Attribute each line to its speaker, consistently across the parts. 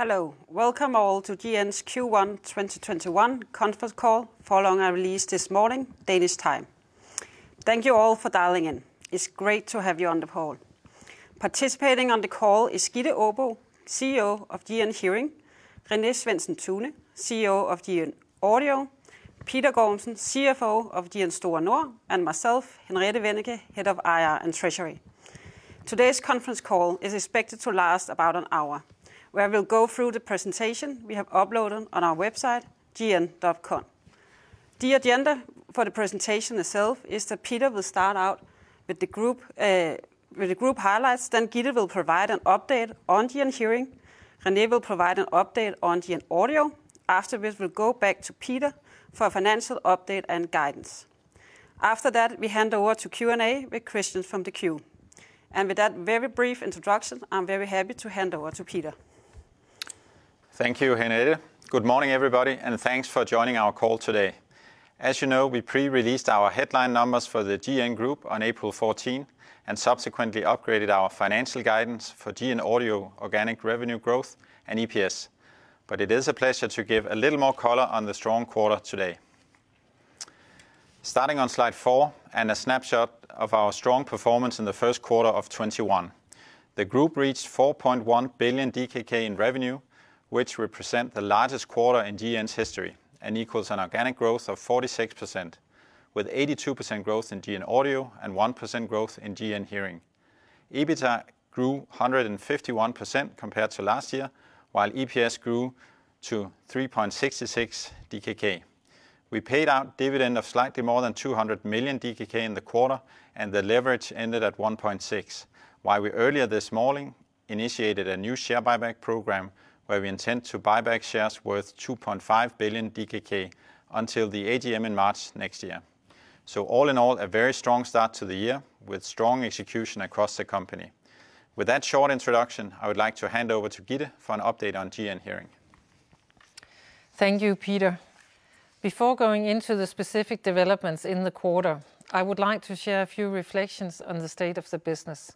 Speaker 1: Hello. Welcome all to GN's Q1 2021 conference call following our release this morning, Danish time. Thank you all for dialing in. It's great to have you on the call. Participating on the call is Gitte Aabo, CEO of GN Hearing, René Svendsen-Tune, CEO of GN Audio, Peter Gormsen, CFO of GN Store Nord, and myself, Henriette Wennicke, Head of IR and Treasury. Today's conference call is expected to last about an hour, where we'll go through the presentation we have uploaded on our website, gn.com. The agenda for the presentation itself is that Peter will start out with the group highlights, then Gitte will provide an update on GN Hearing, René will provide an update on GN Audio. Afterwards, we'll go back to Peter for a financial update and guidance. After that, we hand over to Q&A with questions from the queue. With that very brief introduction, I'm very happy to hand over to Peter.
Speaker 2: Thank you, Henriette. Good morning, everybody, thanks for joining our call today. As you know, we pre-released our headline numbers for the GN Group on April 14, subsequently upgraded our financial guidance for GN Audio organic revenue growth and EPS. It is a pleasure to give a little more color on the strong quarter today. Starting on slide four and a snapshot of our strong performance in the first quarter of 2021. The group reached 4.1 billion DKK in revenue, which represent the largest quarter in GN's history and equals an organic growth of 46%, with 82% growth in GN Audio and 1% growth in GN Hearing. EBITDA grew 151% compared to last year, while EPS grew to DKK 3.66. We paid out dividend of slightly more than DKK 200 million in the quarter, and the leverage ended at 1.6, while we earlier this morning initiated a new share buyback program where we intend to buy back shares worth 2.5 billion DKK until the AGM in March next year. All in all, a very strong start to the year with strong execution across the company. With that short introduction, I would like to hand over to Gitte for an update on GN Hearing.
Speaker 3: Thank you, Peter. Before going into the specific developments in the quarter, I would like to share a few reflections on the state of the business.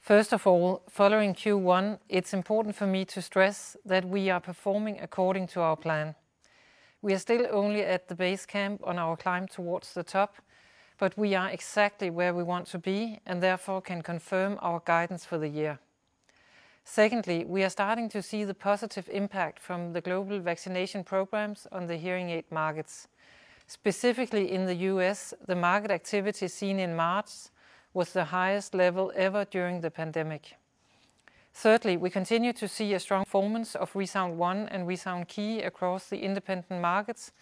Speaker 3: First of all, following Q1, it is important for me to stress that we are performing according to our plan. We are still only at the base camp on our climb towards the top, but we are exactly where we want to be and therefore can confirm our guidance for the year. Secondly, we are starting to see the positive impact from the global vaccination programs on the hearing aid markets. Specifically in the U.S., the market activity seen in March was the highest level ever during the pandemic. Thirdly, we continue to see a strong performance of ReSound ONE and ReSound Key across the independent markets,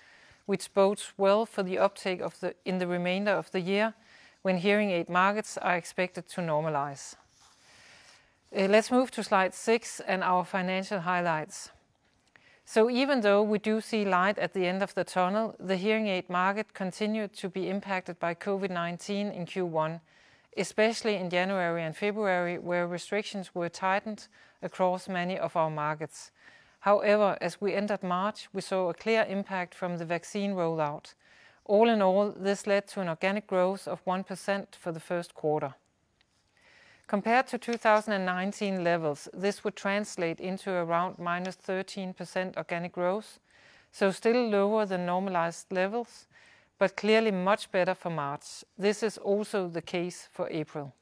Speaker 3: which bodes well for the uptake in the remainder of the year when hearing aid markets are expected to normalize. Let's move to slide six and our financial highlights. Even though we do see light at the end of the tunnel, the hearing aid market continued to be impacted by COVID-19 in Q1, especially in January and February, where restrictions were tightened across many of our markets. However, as we entered March, we saw a clear impact from the vaccine rollout. All in all, this led to an organic growth of 1% for the first quarter. Compared to 2019 levels, this would translate into around -13% organic growth, still lower than normalized levels, clearly much better for March. This is also the case for April.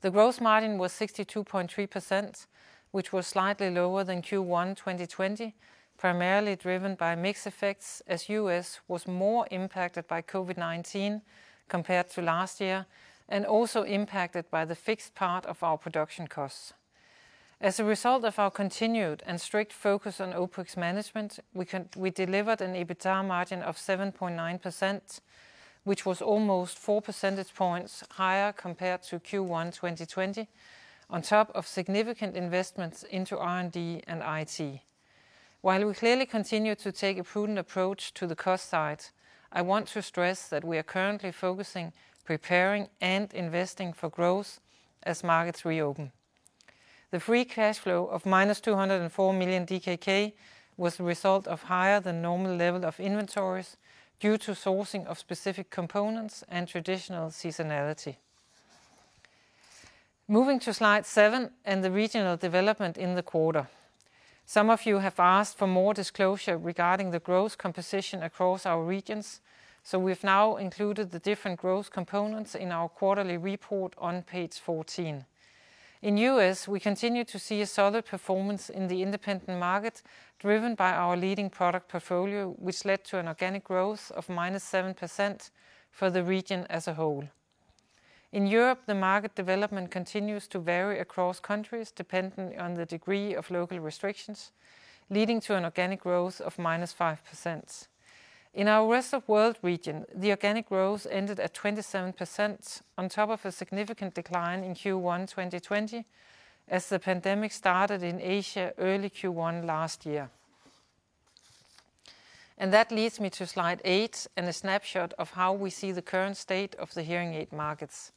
Speaker 3: The gross margin was 62.3%, which was slightly lower than Q1 2020, primarily driven by mix effects as U.S. was more impacted by COVID-19 compared to last year, and also impacted by the fixed part of our production costs. As a result of our continued and strict focus on OpEx management, we delivered an EBITDA margin of 7.9%, which was almost four percentage points higher compared to Q1 2020, on top of significant investments into R&D and IT. While we clearly continue to take a prudent approach to the cost side, I want to stress that we are currently focusing, preparing, and investing for growth as markets reopen. The free cash flow of -204 million DKK was the result of higher than normal level of inventories due to sourcing of specific components and traditional seasonality. Moving to slide seven and the regional development in the quarter. Some of you have asked for more disclosure regarding the growth composition across our regions, so we've now included the different growth components in our quarterly report on page 14. In U.S., we continue to see a solid performance in the independent market driven by our leading product portfolio, which led to an organic growth of -7% for the region as a whole. In Europe, the market development continues to vary across countries dependent on the degree of local restrictions, leading to an organic growth of -5%. In our rest of world region, the organic growth ended at 27% on top of a significant decline in Q1 2020 as the pandemic started in Asia early Q1 last year. That leads me to slide eight and a snapshot of how we see the current state of the hearing aid markets.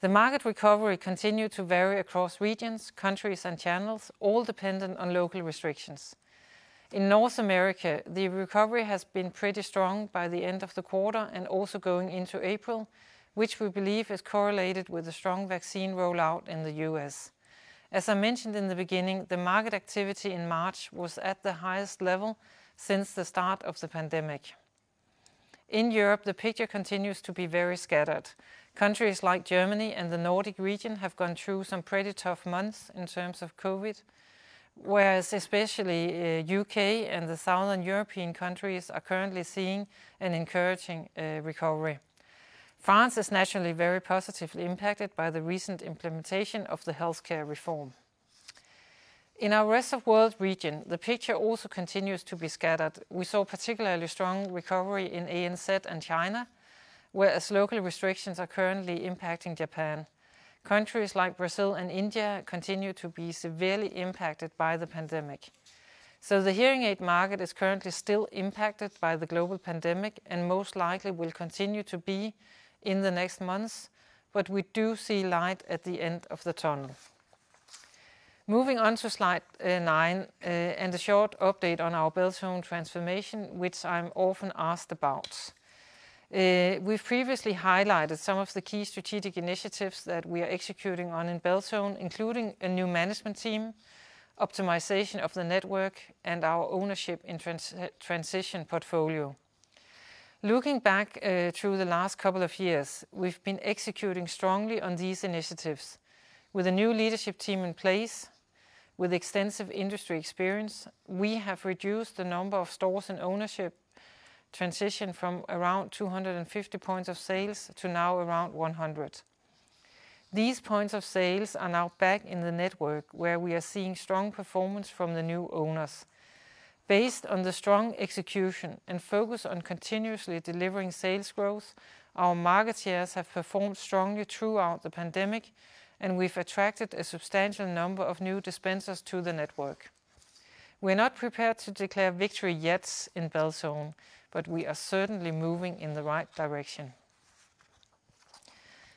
Speaker 3: The market recovery continued to vary across regions, countries, and channels, all dependent on local restrictions. In North America, the recovery has been pretty strong by the end of the quarter and also going into April, which we believe is correlated with the strong vaccine rollout in the U.S., as I mentioned in the beginning, the market activity in March was at the highest level since the start of the pandemic. In Europe, the picture continues to be very scattered. Countries like Germany and the Nordic region have gone through some pretty tough months in terms of COVID-19, whereas especially U.K. and the southern European countries are currently seeing an encouraging recovery. France is naturally very positively impacted by the recent implementation of the healthcare reform. In our rest of world region, the picture also continues to be scattered. We saw particularly strong recovery in ANZ and China, whereas local restrictions are currently impacting Japan. Countries like Brazil and India continue to be severely impacted by the pandemic. The hearing aid market is currently still impacted by the global pandemic, and most likely will continue to be in the next months, but we do see light at the end of the tunnel. Moving on to slide nine, and a short update on our Beltone transformation, which I'm often asked about. We've previously highlighted some of the key strategic initiatives that we are executing on in Beltone, including a new management team, optimization of the network, and our ownership and transition portfolio. Looking back through the last couple of years, we've been executing strongly on these initiatives. With a new leadership team in place with extensive industry experience, we have reduced the number of stores and ownership transition from around 250 points of sales to now around 100. These points of sales are now back in the network where we are seeing strong performance from the new owners. Based on the strong execution and focus on continuously delivering sales growth, our market shares have performed strongly throughout the pandemic, and we've attracted a substantial number of new dispensers to the network. We're not prepared to declare victory yet in Beltone, but we are certainly moving in the right direction.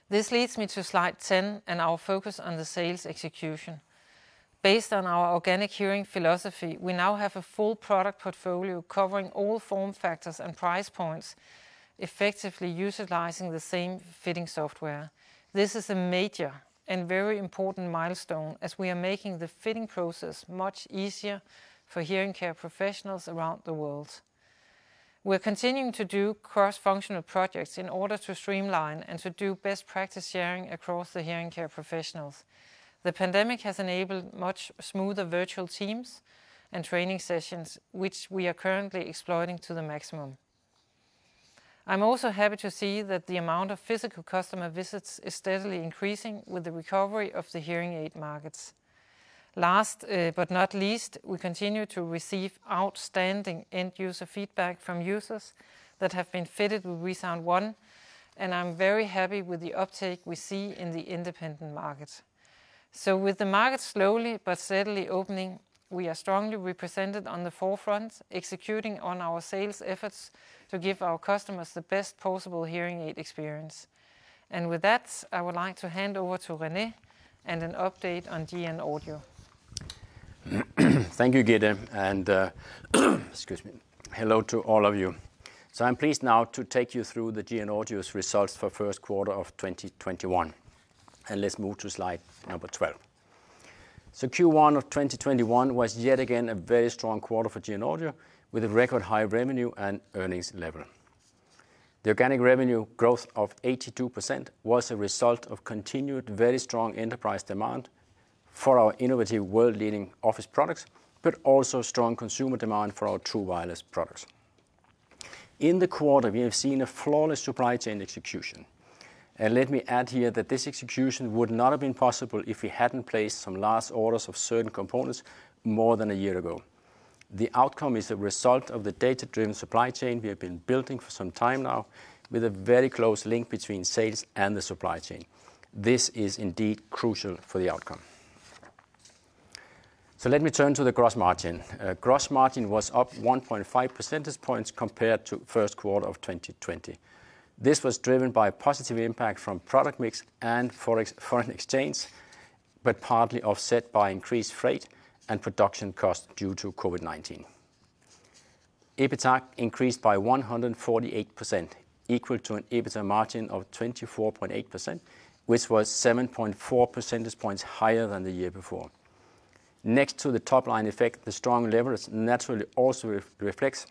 Speaker 3: This leads me to slide 10 and our focus on the sales execution. Based on our organic hearing philosophy, we now have a full product portfolio covering all form factors and price points, effectively utilizing the same fitting software. This is a major and very important milestone as we are making the fitting process much easier for hearing care professionals around the world. We're continuing to do cross-functional projects in order to streamline and to do best practice sharing across the hearing care professionals. The pandemic has enabled much smoother virtual teams and training sessions, which we are currently exploiting to the maximum. I'm also happy to see that the amount of physical customer visits is steadily increasing with the recovery of the hearing aid markets. Last but not least, we continue to receive outstanding end-user feedback from users that have been fitted with ReSound ONE, and I'm very happy with the uptake we see in the independent markets. With the market slowly but steadily opening, we are strongly represented on the forefront, executing on our sales efforts to give our customers the best possible hearing aid experience. With that, I would like to hand over to René and an update on GN Audio.
Speaker 4: Thank you, Gitte, and hello to all of you. I'm pleased now to take you through the GN Audio's results for first quarter of 2021. Let's move to slide number 12. Q1 of 2021 was yet again a very strong quarter for GN Audio, with a record high revenue and earnings level. The organic revenue growth of 82% was a result of continued very strong enterprise demand for our innovative world-leading office products, but also strong consumer demand for our true wireless products. In the quarter, we have seen a flawless supply chain execution. Let me add here that this execution would not have been possible if we hadn't placed some last orders of certain components more than a year ago. The outcome is a result of the data-driven supply chain we have been building for some time now with a very close link between sales and the supply chain. This is indeed crucial for the outcome. Let me turn to the gross margin. Gross margin was up 1.5 percentage points compared to first quarter of 2020. This was driven by a positive impact from product mix and foreign exchange, but partly offset by increased freight and production costs due to COVID-19. EBITDA increased by 148%, equal to an EBITDA margin of 24.8%, which was 7.4 percentage points higher than the year before. Next to the top line effect, the strong leverage naturally also reflects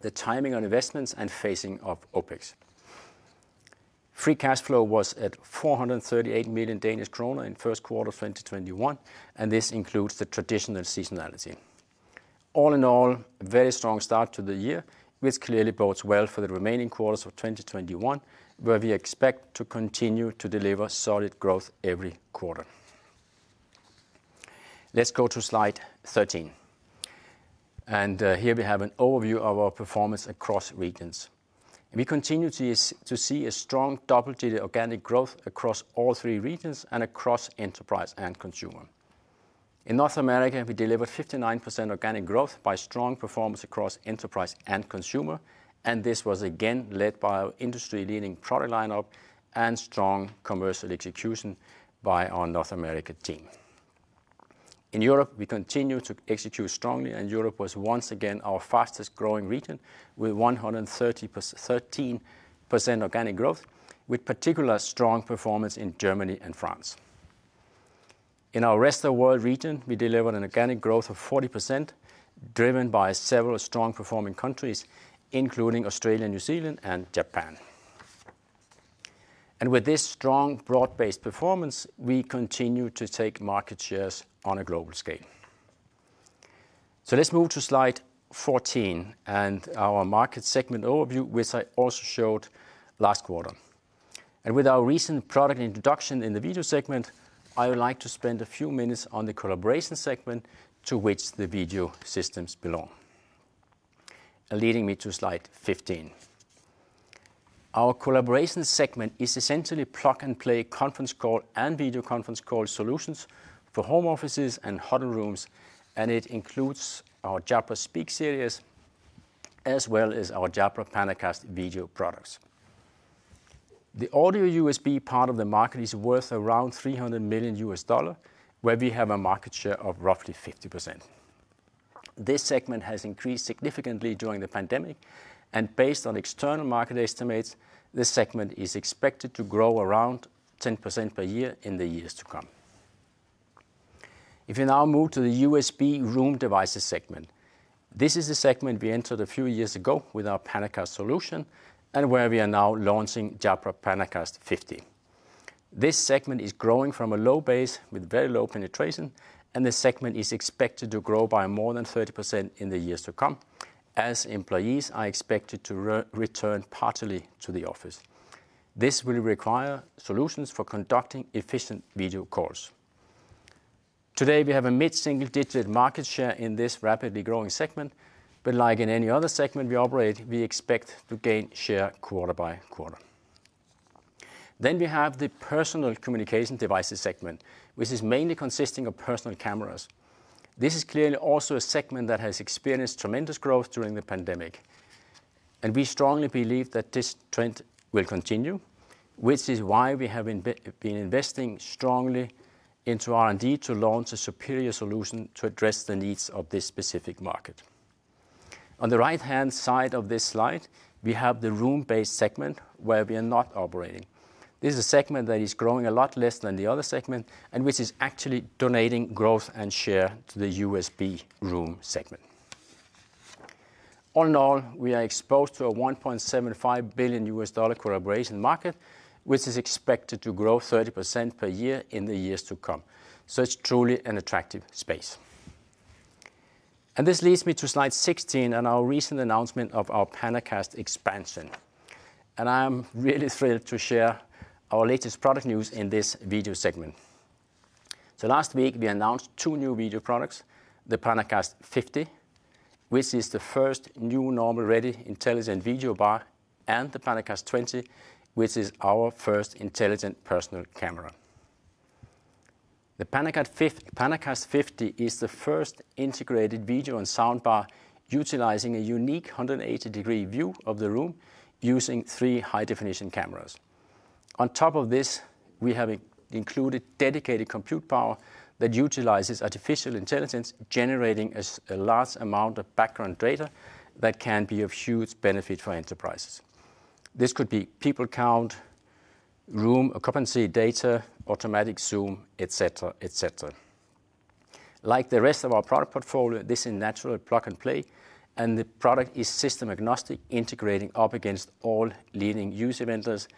Speaker 4: the timing on investments and phasing of OpEx. Free cash flow was at 438 million Danish kroner in first quarter 2021, and this includes the traditional seasonality. All in all, a very strong start to the year, which clearly bodes well for the remaining quarters of 2021, where we expect to continue to deliver solid growth every quarter. Let's go to slide 13. Here we have an overview of our performance across regions. We continue to see a strong double-digit organic growth across all three regions and across enterprise and consumer. In North America, we delivered 59% organic growth by strong performance across enterprise and consumer. This was again led by our industry-leading product lineup and strong commercial execution by our North America team. In Europe, we continue to execute strongly. Europe was once again our fastest growing region with 113% organic growth, with particular strong performance in Germany and France. In our rest of world region, we delivered an organic growth of 40%, driven by several strong performing countries, including Australia, New Zealand, and Japan. With this strong, broad-based performance, we continue to take market shares on a global scale. Let's move to slide 14 and our market segment overview, which I also showed last quarter. With our recent product introduction in the video segment, I would like to spend a few minutes on the collaboration segment to which the video systems belong. Leading me to slide 15. Our collaboration segment is essentially plug-and-play conference call and video conference call solutions for home offices and huddle rooms, and it includes our Jabra Speak series, as well as our Jabra PanaCast video products. The audio USB part of the market is worth around $300 million, where we have a market share of roughly 50%. This segment has increased significantly during the pandemic, and based on external market estimates, this segment is expected to grow around 10% per year in the years to come. If you now move to the USB room devices segment, this is a segment we entered a few years ago with our PanaCast solution, and where we are now launching Jabra PanaCast 50. This segment is growing from a low base with very low penetration, and the segment is expected to grow by more than 30% in the years to come as employees are expected to return partly to the office. This will require solutions for conducting efficient video calls. Today, we have a mid-single digit market share in this rapidly growing segment, but like in any other segment we operate, we expect to gain share quarter-by-quarter. We have the personal communication devices segment, which is mainly consisting of personal cameras. This is clearly also a segment that has experienced tremendous growth during the pandemic, and we strongly believe that this trend will continue, which is why we have been investing strongly into R&D to launch a superior solution to address the needs of this specific market. On the right-hand side of this slide, we have the room-based segment where we are not operating. This is a segment that is growing a lot less than the other segment and which is actually donating growth and share to the USB room segment. All in all, we are exposed to a $1.75 billion collaboration market, which is expected to grow 30% per year in the years to come. It's truly an attractive space. This leads me to slide 16 and our recent announcement of our PanaCast expansion. I am really thrilled to share our latest product news in this video segment. Last week, we announced two new video products: the PanaCast 50, which is the first new normal ready intelligent video bar, and the PanaCast 20, which is our first intelligent personal camera. The PanaCast 50 is the first integrated video and soundbar utilizing a unique 180-degree view of the room using three high-definition cameras. On top of this, we have included dedicated compute power that utilizes artificial intelligence, generating a large amount of background data that can be of huge benefit for enterprises. This could be people count, room occupancy data, automatic zoom, et cetera. Like the rest of our product portfolio, this is naturally plug and play, and the product is system-agnostic, integrating up against all leading UC vendors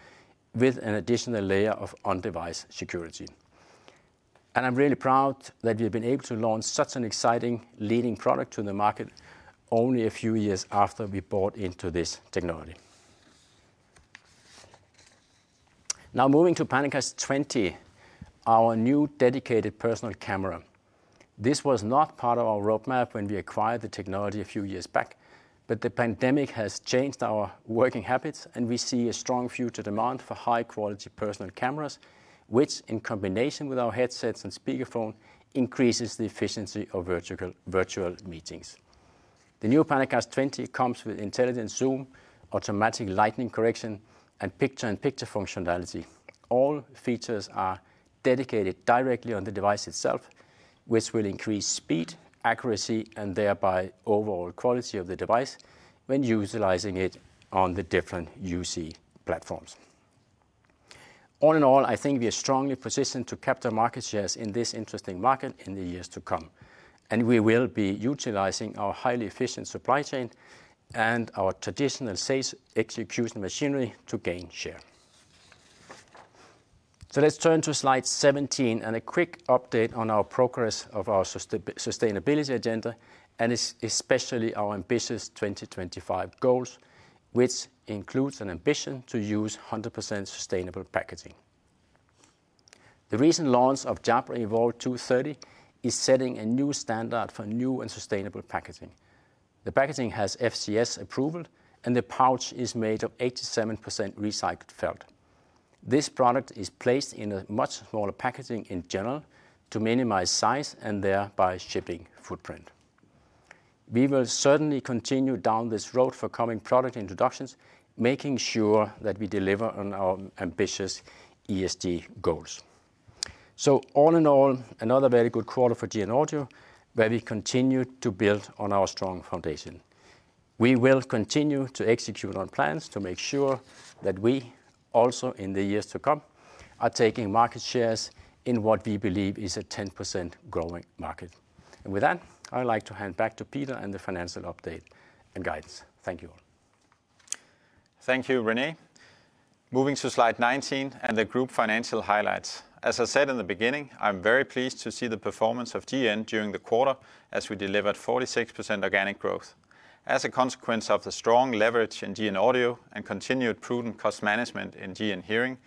Speaker 4: with an additional layer of on-device security. I'm really proud that we've been able to launch such an exciting leading product to the market only a few years after we bought into this technology. Now moving to PanaCast 20, our new dedicated personal camera. This was not part of our roadmap when we acquired the technology a few years back, the pandemic has changed our working habits, and we see a strong future demand for high-quality personal cameras, which in combination with our headsets and speakerphone, increases the efficiency of virtual meetings. The new PanaCast 20 comes with intelligent zoom, automatic lighting correction, and picture-in-picture functionality. All features are dedicated directly on the device itself, which will increase speed, accuracy, and thereby overall quality of the device when utilizing it on the different UC platforms. All in all, I think we are strongly positioned to capture market shares in this interesting market in the years to come. We will be utilizing our highly efficient supply chain and our traditional sales execution machinery to gain share. Let's turn to slide 17 and a quick update on our progress of our sustainability agenda, and especially our ambitious 2025 goals, which includes an ambition to use 100% sustainable packaging. The recent launch of Jabra Evolve2 30 is setting a new standard for new and sustainable packaging. The packaging has FSC approval, and the pouch is made of 87% recycled felt. This product is placed in a much smaller packaging in general to minimize size and thereby shipping footprint. We will certainly continue down this road for coming product introductions, making sure that we deliver on our ambitious ESG goals. All in all, another very good quarter for GN Audio, where we continue to build on our strong foundation. We will continue to execute on plans to make sure that we also, in the years to come, are taking market shares in what we believe is a 10% growing market. With that, I would like to hand back to Peter and the financial update and guidance. Thank you all.
Speaker 2: Thank you, René. Moving to slide 19 and the group financial highlights. Aa I said in the beginning, I'm very pleased to see the performance of GN during the quarter, as we delivered 46% organic growth. As a consequence of the strong leverage in GN Audio and continued prudent cost management in GN Hearing,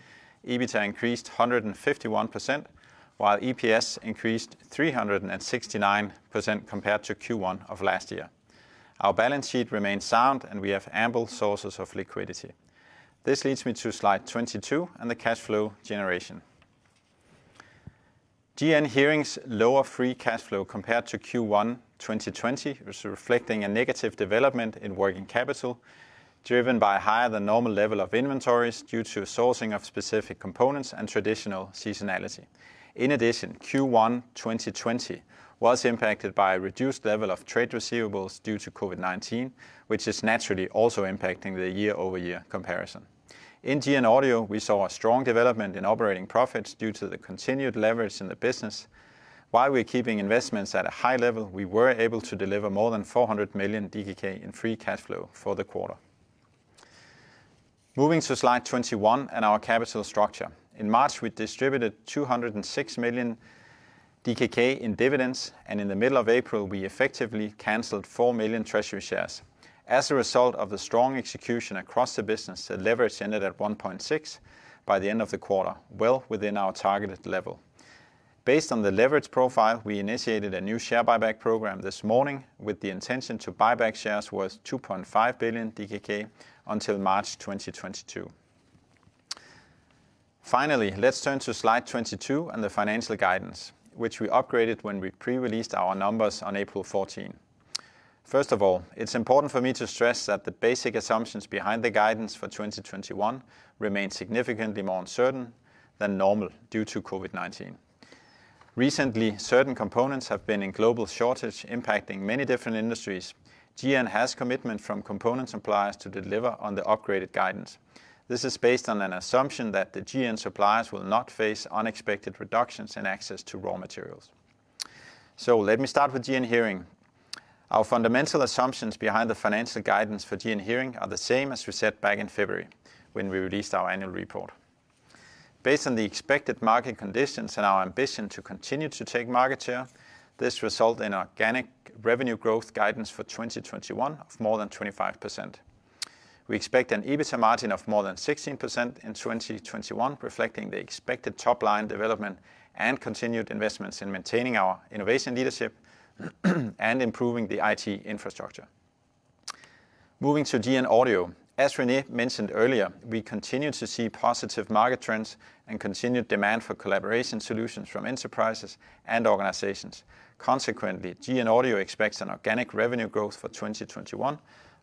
Speaker 2: EBITDA increased 151%, while EPS increased 369% compared to Q1 of last year. Our balance sheet remains sound, and we have ample sources of liquidity. This leads me to slide 22 and the cash flow generation. GN Hearing's lower free cash flow compared to Q1 2020 was reflecting a negative development in working capital, driven by higher than normal level of inventories due to sourcing of specific components and traditional seasonality. In addition, Q1 2020 was impacted by a reduced level of trade receivables due to COVID-19, which is naturally also impacting the year-over-year comparison. In GN Audio, we saw a strong development in operating profits due to the continued leverage in the business. While we're keeping investments at a high level, we were able to deliver more than DKK 400 million in free cash flow for the quarter. Moving to slide 21 and our capital structure. In March, we distributed 206 million DKK in dividends. In the middle of April, we effectively canceled 4 million treasury shares. As a result of the strong execution across the business, the leverage ended at 1.6 by the end of the quarter, well within our targeted level. Based on the leverage profile, we initiated a new share buyback program this morning with the intention to buy back shares worth DKK 2.5 billion until March 2022. Let's turn to slide 22 and the financial guidance, which we upgraded when we pre-released our numbers on April 14. First of all, it's important for me to stress that the basic assumptions behind the guidance for 2021 remain significantly more uncertain than normal due to COVID-19. Recently, certain components have been in global shortage, impacting many different industries. GN has commitment from component suppliers to deliver on the upgraded guidance. This is based on an assumption that the GN suppliers will not face unexpected reductions in access to raw materials. Let me start with GN Hearing. Our fundamental assumptions behind the financial guidance for GN Hearing are the same as we said back in February, when we released our annual report. Based on the expected market conditions and our ambition to continue to take market share, this result in organic revenue growth guidance for 2021 of more than 25%. We expect an EBITDA margin of more than 16% in 2021, reflecting the expected top line development and continued investments in maintaining our innovation leadership and improving the IT infrastructure. Moving to GN Audio. As René mentioned earlier, we continue to see positive market trends and continued demand for collaboration solutions from enterprises and organizations. Consequently, GN Audio expects an organic revenue growth for 2021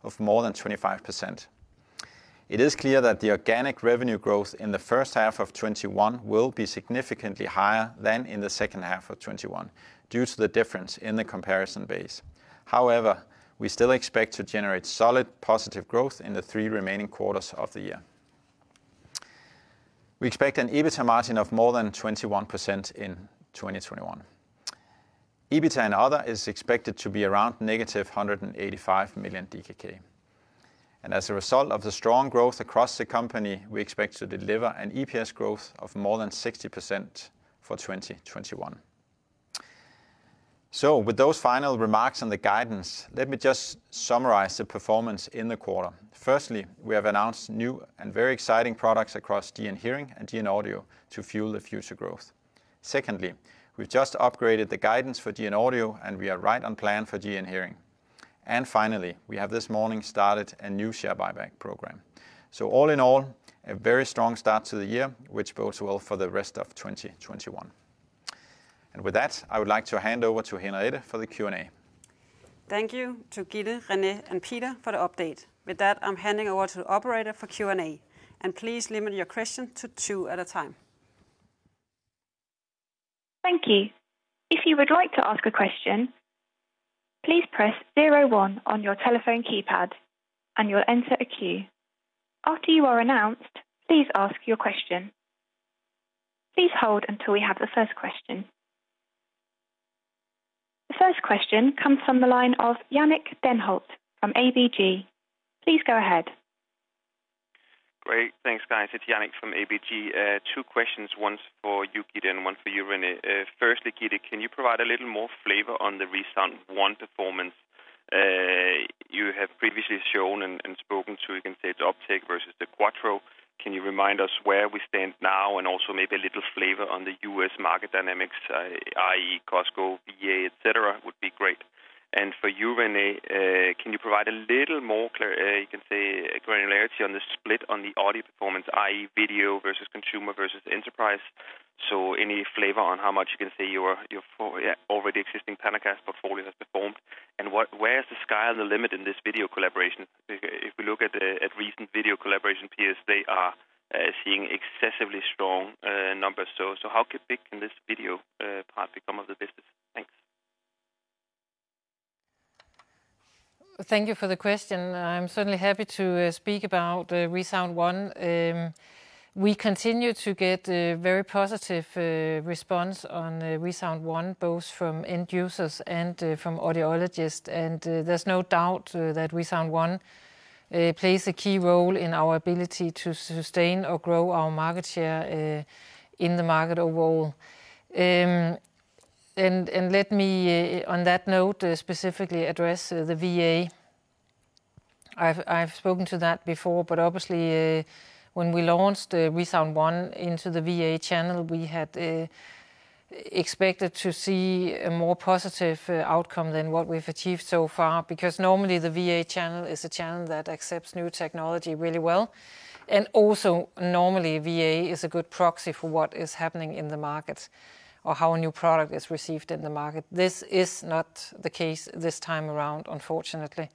Speaker 2: of more than 25%. It is clear that the organic revenue growth in the first half of 2021 will be significantly higher than in the second half of 2021 due to the difference in the comparison base. However, we still expect to generate solid positive growth in the three remaining quarters of the year. We expect an EBITDA margin of more than 21% in 2021. EBITDA and other is expected to be around -DKK 185 million. As a result of the strong growth across the company, we expect to deliver an EPS growth of more than 60% for 2021. With those final remarks on the guidance, let me just summarize the performance in the quarter. Firstly, we have announced new and very exciting products across GN Hearing and GN Audio to fuel the future growth. Secondly, we've just upgraded the guidance for GN Audio, and we are right on plan for GN Hearing. Finally, we have this morning started a new share buyback program. All in all, a very strong start to the year, which bodes well for the rest of 2021. With that, I would like to hand over to Henriette for the Q&A.
Speaker 1: Thank you to Gitte, René, and Peter for the update. With that, I'm handing over to the operator for Q&A. Please limit your question to two at a time.
Speaker 5: Thank you. If you would like to ask a question, please press zero one on your telephone keypad, and you'll enter a queue. After you are announced, please ask your question. Please hold until we have the first question. The first question comes from the line of Jannick Denholt from ABG. Please go ahead.
Speaker 6: Great. Thanks, guys. It's Jannick from ABG. Two questions. One's for you, Gitte, and one for you, René. Firstly, Gitte, can you provide a little more flavor on the ReSound ONE performance? You have previously shown and spoken to, you can say, the uptake versus the Quattro. Can you remind us where we stand now and also maybe a little flavor on the U.S. market dynamics, i.e., Costco, VA, et cetera, would be great. For you, René, can you provide a little more, you can say, granularity on the split on the audio performance, i.e., video versus consumer versus enterprise? Any flavor on how much you can say your already existing PanaCast portfolio has performed, and where is the sky's the limit in this video collaboration? If we look at recent video collaboration peers, they are seeing excessively strong numbers. How big can this video part become of the business? Thanks.
Speaker 3: Thank you for the question. I'm certainly happy to speak about ReSound ONE. We continue to get very positive response on ReSound ONE, both from end users and from audiologists. There's no doubt that ReSound ONE plays a key role in our ability to sustain or grow our market share in the market overall. Let me, on that note, specifically address the VA. I've spoken to that before, but obviously, when we launched ReSound ONE into the VA channel, we had expected to see a more positive outcome than what we've achieved so far, because normally the VA channel is a channel that accepts new technology really well. Also, normally, VA is a good proxy for what is happening in the market or how a new product is received in the market. This is not the case this time around, unfortunately.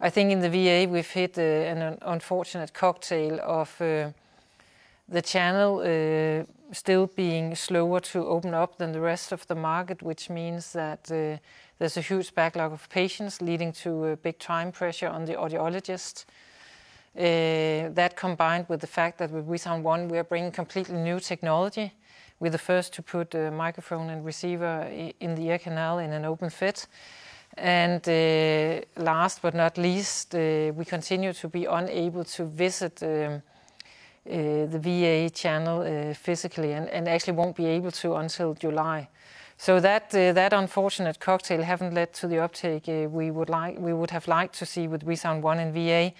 Speaker 3: I think in the VA, we've hit an unfortunate cocktail of the channel still being slower to open up than the rest of the market, which means that there's a huge backlog of patients leading to a big time pressure on the audiologist. That, combined with the fact that with ReSound ONE, we are bringing completely new technology. We're the first to put a microphone and receiver in the ear canal in an open fit. Last but not least, we continue to be unable to visit the VA channel physically and actually won't be able to until July. So that unfortunate cocktail haven't led to the uptake we would have liked to see with ReSound ONE in VA.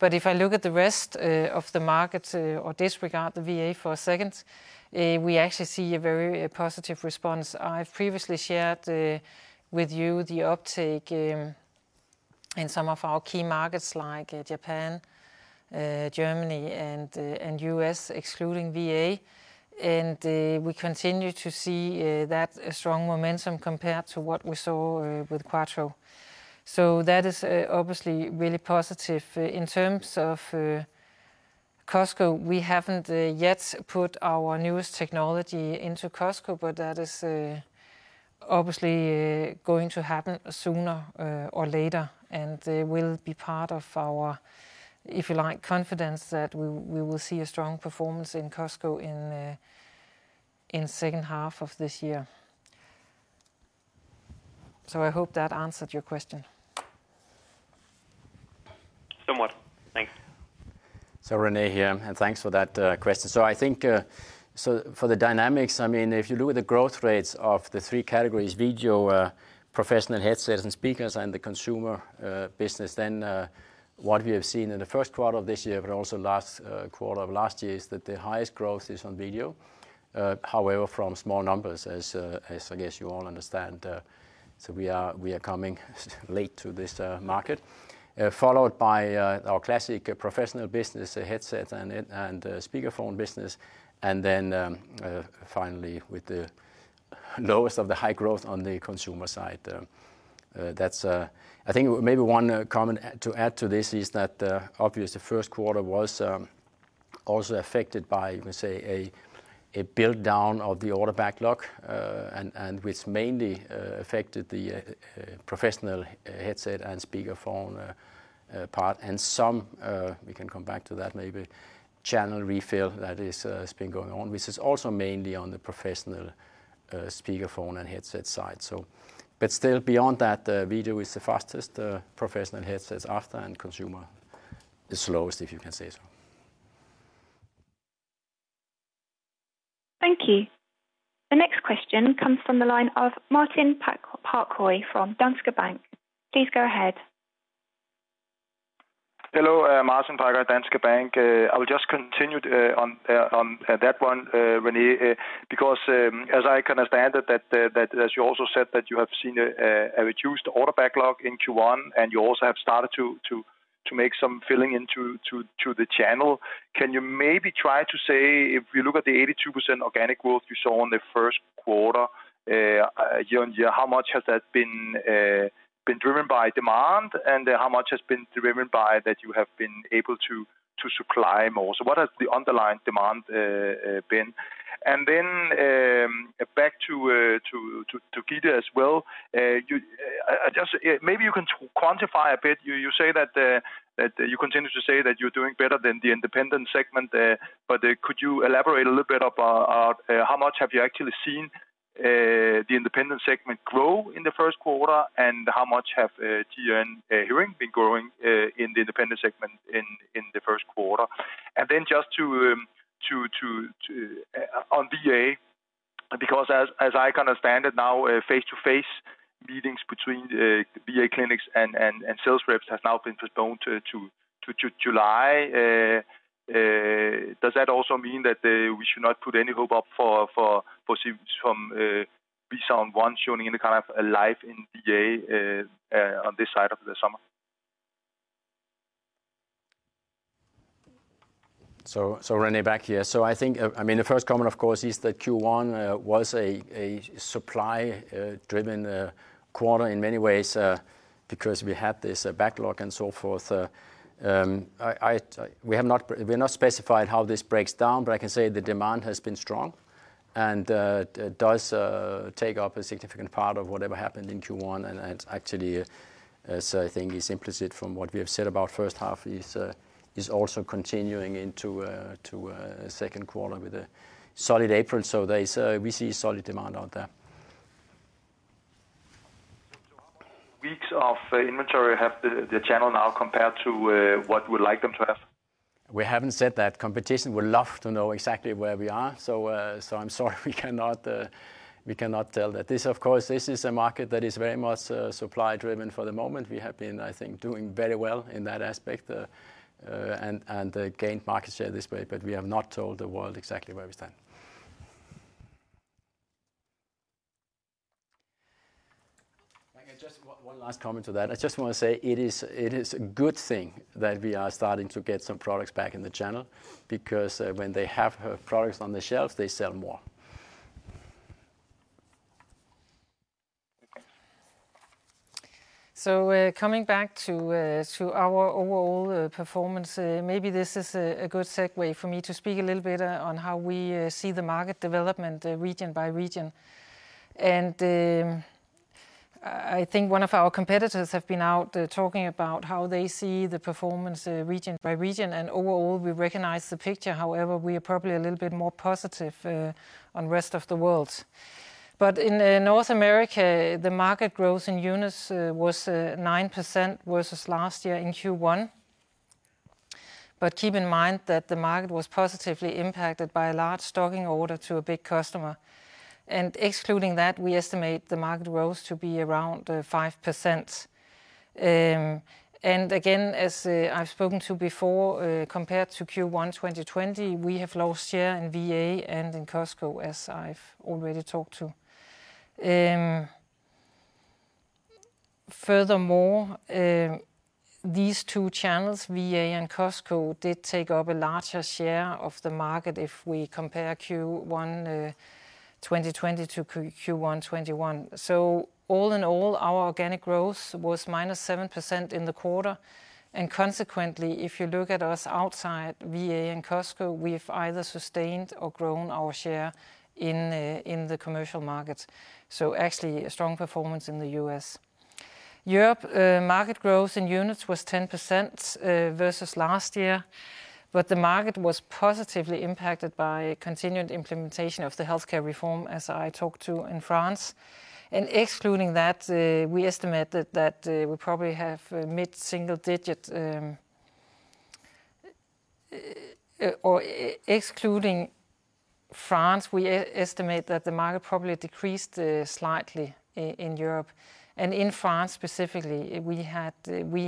Speaker 3: If I look at the rest of the market or disregard the VA for a second, we actually see a very positive response. I've previously shared with you the uptake in some of our key markets like Japan, Germany, and U.S., excluding VA, and we continue to see that strong momentum compared to what we saw with Quattro. That is obviously really positive. In terms of Costco, we haven't yet put our newest technology into Costco, but that is obviously going to happen sooner or later and will be part of our, if you like, confidence that we will see a strong performance in Costco in second half of this year. I hope that answered your question.
Speaker 6: Somewhat. Thanks.
Speaker 4: René here, and thanks for that question. I think for the dynamics, if you look at the growth rates of the three categories, video, professional headsets and speakers, and the consumer business, what we have seen in the first quarter of this year, but also last quarter of last year, is that the highest growth is on video. However, from small numbers, as I guess you all understand. We are coming late to this market. Followed by our classic professional business, headsets and speakerphone business. Finally, with the lowest of the high growth on the consumer side. I think maybe one comment to add to this is that obviously first quarter was also affected by, we say, a build-down of the order backlog, and which mainly affected the professional headset and speakerphone part and some, we can come back to that maybe, channel refill that has been going on, which is also mainly on the professional speakerphone and headset side. Still, beyond that, video is the fastest, professional headsets after, and consumer is slowest, if you can say so.
Speaker 5: Thank you. The next question comes from the line of Martin Parkhøi from Danske Bank. Please go ahead.
Speaker 7: Hello. Martin Parkhøi, Danske Bank. I will just continue on that one, René, because as I understand it, that as you also said, that you have seen a reduced order backlog in Q1, and you also have started to make some filling into the channel. Can you maybe try to say, if you look at the 82% organic growth you saw in the first quarter year-on-year, how much has that been driven by demand, and how much has been driven by that you have been able to supply more? What has the underlying demand been? Back to Gitte as well. Maybe you can quantify a bit. You continue to say that you're doing better than the independent segment, but could you elaborate a little bit about how much have you actually seen the independent segment grow in the first quarter, and how much have GN Hearing been growing in the independent segment in the first quarter? Just on VA, because as I understand it now, face-to-face meetings between VA clinics and sales reps has now been postponed to July. Does that also mean that we should not put any hope up for proceeds from ReSound ONE showing any kind of a life in VA on this side of the summer?
Speaker 4: René, back here. I think the first comment, of course, is that Q1 was a supply-driven quarter in many ways because we had this backlog and so forth. We have not specified how this breaks down, but I can say the demand has been strong and does take up a significant part of whatever happened in Q1. It actually, as I think is implicit from what we have said about first half, is also continuing into second quarter with a solid April. We see solid demand out there.
Speaker 7: How many weeks of inventory have the channel now compared to what we'd like them to have?
Speaker 4: We haven't said that. Competition would love to know exactly where we are. I'm sorry, we cannot tell that. Of course, this is a market that is very much supply-driven for the moment. We have been, I think, doing very well in that aspect, and gained market share this way, but we have not told the world exactly where we stand. Just one last comment to that. I just want to say it is a good thing that we are starting to get some products back in the channel, because when they have products on the shelves, they sell more.
Speaker 3: Coming back to our overall performance, maybe this is a good segue for me to speak a little bit on how we see the market development region by region. I think one of our competitors have been out talking about how they see the performance region by region, and overall, we recognize the picture. However, we are probably a little bit more positive on rest of the world. In North America, the market growth in units was 9% versus last year in Q1. Keep in mind that the market was positively impacted by a large stocking order to a big customer. Excluding that, we estimate the market growth to be around 5%. Again, as I've spoken to before, compared to Q1 2020, we have lost share in VA and in Costco, as I've already talked to. Furthermore, these two channels, VA and Costco, did take up a larger share of the market if we compare Q1 2020-Q1 2021. All in all, our organic growth was -7% in the quarter, and consequently, if you look at us outside VA and Costco, we've either sustained or grown our share in the commercial markets. Actually, a strong performance in the U.S. Europe market growth in units was 10% versus last year, the market was positively impacted by continued implementation of the healthcare reform, as I talked to in France. Excluding that, we estimate that the market probably decreased slightly in Europe. In France specifically, we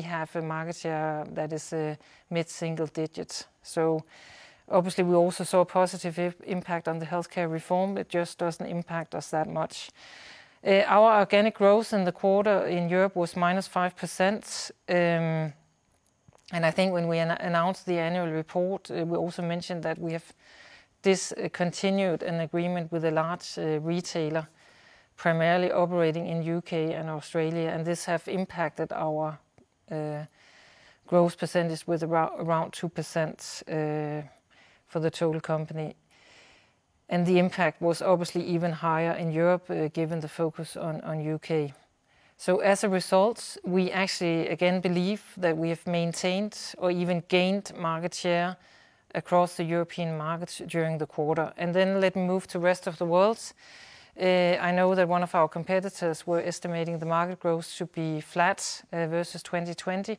Speaker 3: have a market share that is mid-single digits. Obviously we also saw a positive impact on the healthcare reform. It just doesn't impact us that much. Our organic growth in the quarter in Europe was -5%. I think when we announced the annual report, we also mentioned that we have discontinued an agreement with a large retailer, primarily operating in U.K. and Australia, and this have impacted our growth percentage with around 2% for the total company. The impact was obviously even higher in Europe, given the focus on U.K. As a result, we actually again believe that we have maintained or even gained market share across the European markets during the quarter. Then let me move to rest of the world. I know that one of our competitors were estimating the market growth to be flat versus 2020.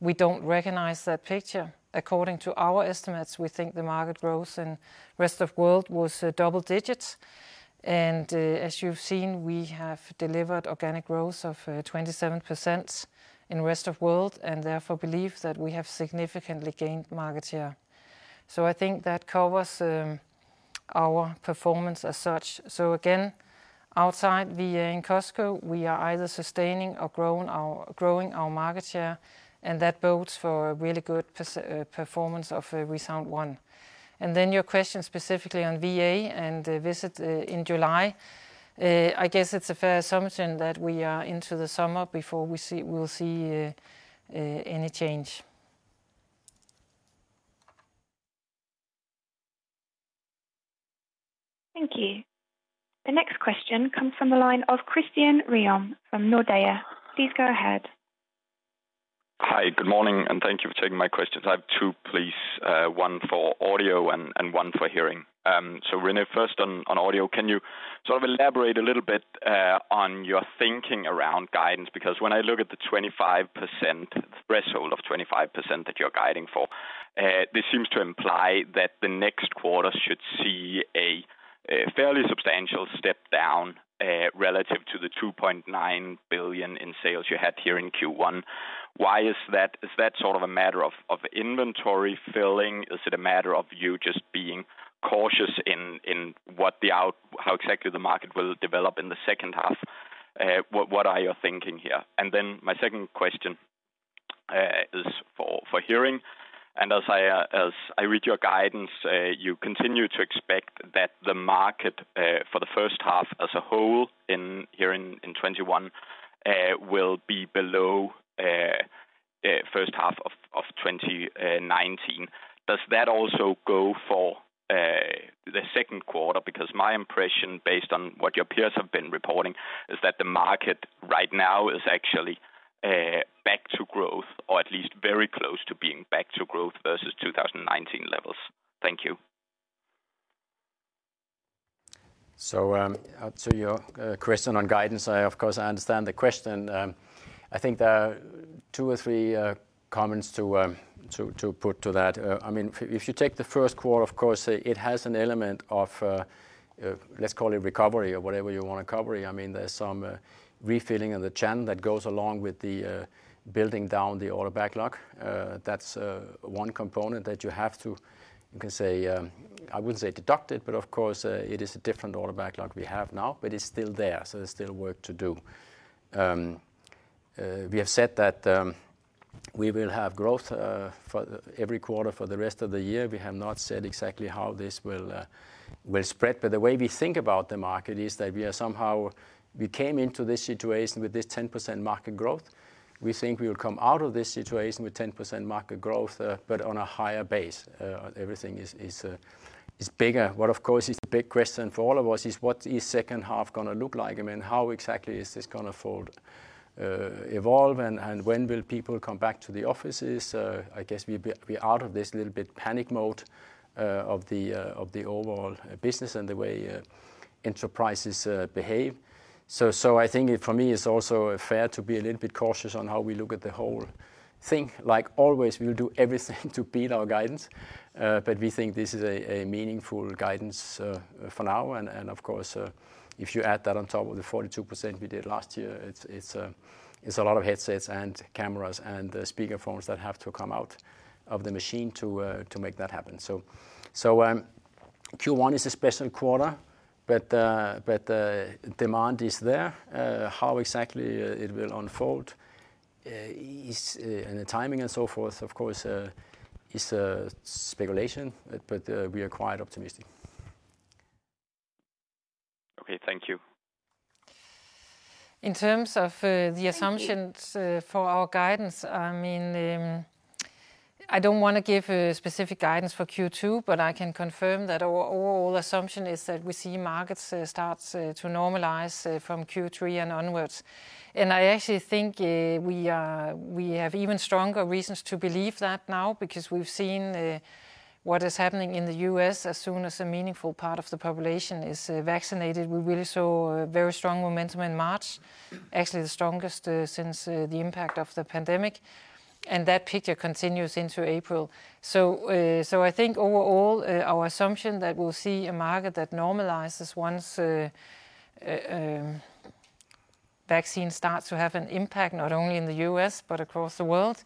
Speaker 3: We don't recognize that picture. According to our estimates, we think the market growth in rest of world was double digits. As you've seen, we have delivered organic growth of 27% in rest of world, and therefore believe that we have significantly gained market share. I think that covers our performance as such. Again, outside VA and Costco, we are either sustaining or growing our market share, and that bodes for a really good performance of ReSound ONE. Your question specifically on VA and the visit in July, I guess it's a fair assumption that we are into the summer before we'll see any change.
Speaker 5: Thank you. The next question comes from the line of Christian Ryom from Nordea. Please go ahead.
Speaker 8: Hi, good morning. Thank you for taking my questions. I have two, please, one for GN Audio and one for GN Hearing. René, first on GN Audio, can you sort of elaborate a little bit on your thinking around guidance? When I look at the threshold of 25% that you're guiding for, this seems to imply that the next quarter should see a fairly substantial step down relative to the 2.9 billion in sales you had here in Q1. Why is that? Is that sort of a matter of inventory filling? Is it a matter of you just being cautious in how exactly the market will develop in the second half? What are you thinking here? My second question is for GN Hearing. As I read your guidance, you continue to expect that the market for the first half as a whole here in 2021 will be below first half of 2019. Does that also go for the second quarter? My impression, based on what your peers have been reporting, is that the market right now is actually back to growth, or at least very close to being back to growth versus 2019 levels. Thank you.
Speaker 4: To your question on guidance, of course, I understand the question. I think there are two or three comments to put to that. If you take the first quarter, of course, it has an element of, let's call it recovery or whatever you want to cover. There's some refilling of the channel that goes along with the building down the order backlog. That's one component that you have to, I wouldn't say deduct it, but of course, it is a different order backlog we have now, but it's still there, so there's still work to do. We have said that we will have growth every quarter for the rest of the year. We have not said exactly how this will spread. The way we think about the market is that we came into this situation with this 10% market growth. We think we'll come out of this situation with 10% market growth, but on a higher base. Everything is bigger. What of course is the big question for all of us is what is second half going to look like? How exactly is this going to evolve, and when will people come back to the offices? I guess we're out of this little bit panic mode of the overall business and the way enterprises behave. I think for me, it's also fair to be a little bit cautious on how we look at the whole thing. Like always, we'll do everything to beat our guidance, but we think this is a meaningful guidance for now. Of course, if you add that on top of the 42% we did last year, it's a lot of headsets and cameras and speakerphones that have to come out of the machine to make that happen. Q1 is a special quarter, but the demand is there. How exactly it will unfold and the timing and so forth, of course, is speculation, but we are quite optimistic.
Speaker 8: Okay, thank you.
Speaker 3: In terms of the assumptions for our guidance, I don't want to give a specific guidance for Q2, but I can confirm that our overall assumption is that we see markets start to normalize from Q3 and onwards. I actually think we have even stronger reasons to believe that now, because we've seen what is happening in the U.S. As soon as a meaningful part of the population is vaccinated, we really saw a very strong momentum in March, actually the strongest since the impact of the pandemic, and that picture continues into April. I think overall, our assumption that we'll see a market that normalizes once vaccines start to have an impact, not only in the U.S. but across the world,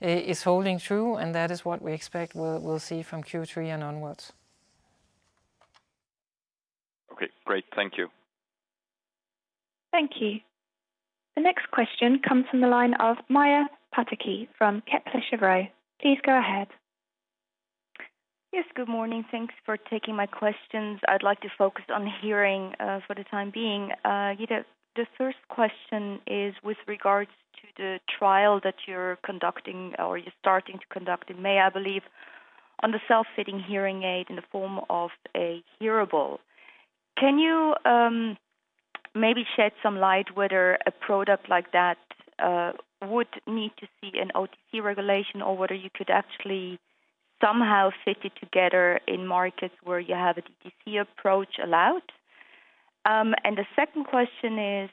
Speaker 3: is holding true, and that is what we expect we'll see from Q3 and onwards.
Speaker 8: Okay, great. Thank you.
Speaker 5: Thank you. The next question comes from the line of Maja Pataki from Kepler Cheuvreux. Please go ahead.
Speaker 9: Yes, good morning. Thanks for taking my questions. I'd like to focus on GN Hearing for the time being. Gitte, the first question is with regards to the trial that you're conducting, or you're starting to conduct in May, I believe, on the self-fitting hearing aid in the form of a hearable. Can you maybe shed some light whether a product like that would need to see an OTC regulation or whether you could actually somehow fit it together in markets where you have a DTC approach allowed? The second question is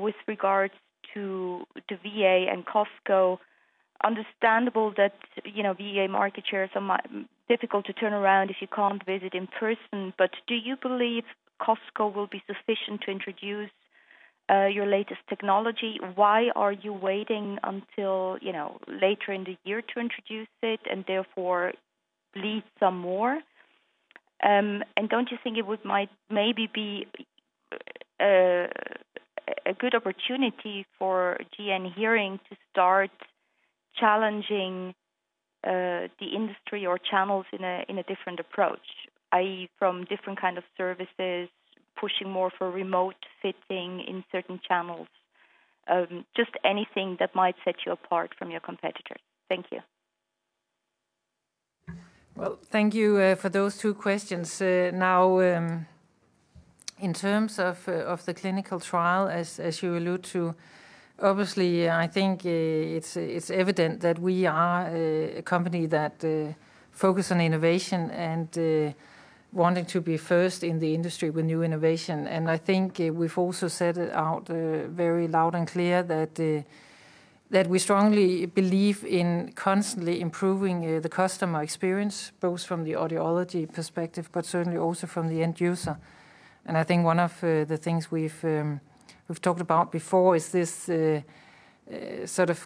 Speaker 9: with regards to the VA and Costco. Understandable that VA market shares are difficult to turn around if you can't visit in person, but do you believe Costco will be sufficient to introduce your latest technology? Why are you waiting until later in the year to introduce it and therefore bleed some more? Don't you think it would maybe be a good opportunity for GN Hearing to start challenging the industry or channels in a different approach, i.e., from different kind of services, pushing more for remote fitting in certain channels? Just anything that might set you apart from your competitors. Thank you.
Speaker 3: Well, thank you for those two questions. In terms of the clinical trial, as you allude to, obviously, I think it's evident that we are a company that focus on innovation and wanting to be first in the industry with new innovation. I think we've also set it out very loud and clear that we strongly believe in constantly improving the customer experience, both from the audiology perspective, but certainly also from the end user. I think one of the things we've talked about before is this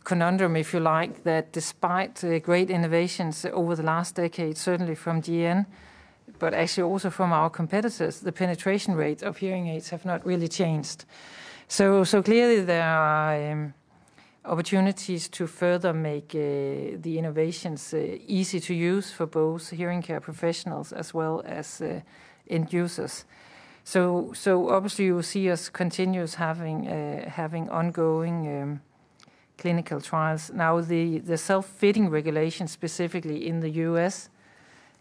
Speaker 3: conundrum, if you like, that despite great innovations over the last decade, certainly from GN, but actually also from our competitors, the penetration rate of hearing aids have not really changed. Clearly, there are opportunities to further make the innovations easy to use for both hearing care professionals as well as end users. Obviously you will see us continuous having ongoing clinical trials. The self-fitting regulation, specifically in the U.S.,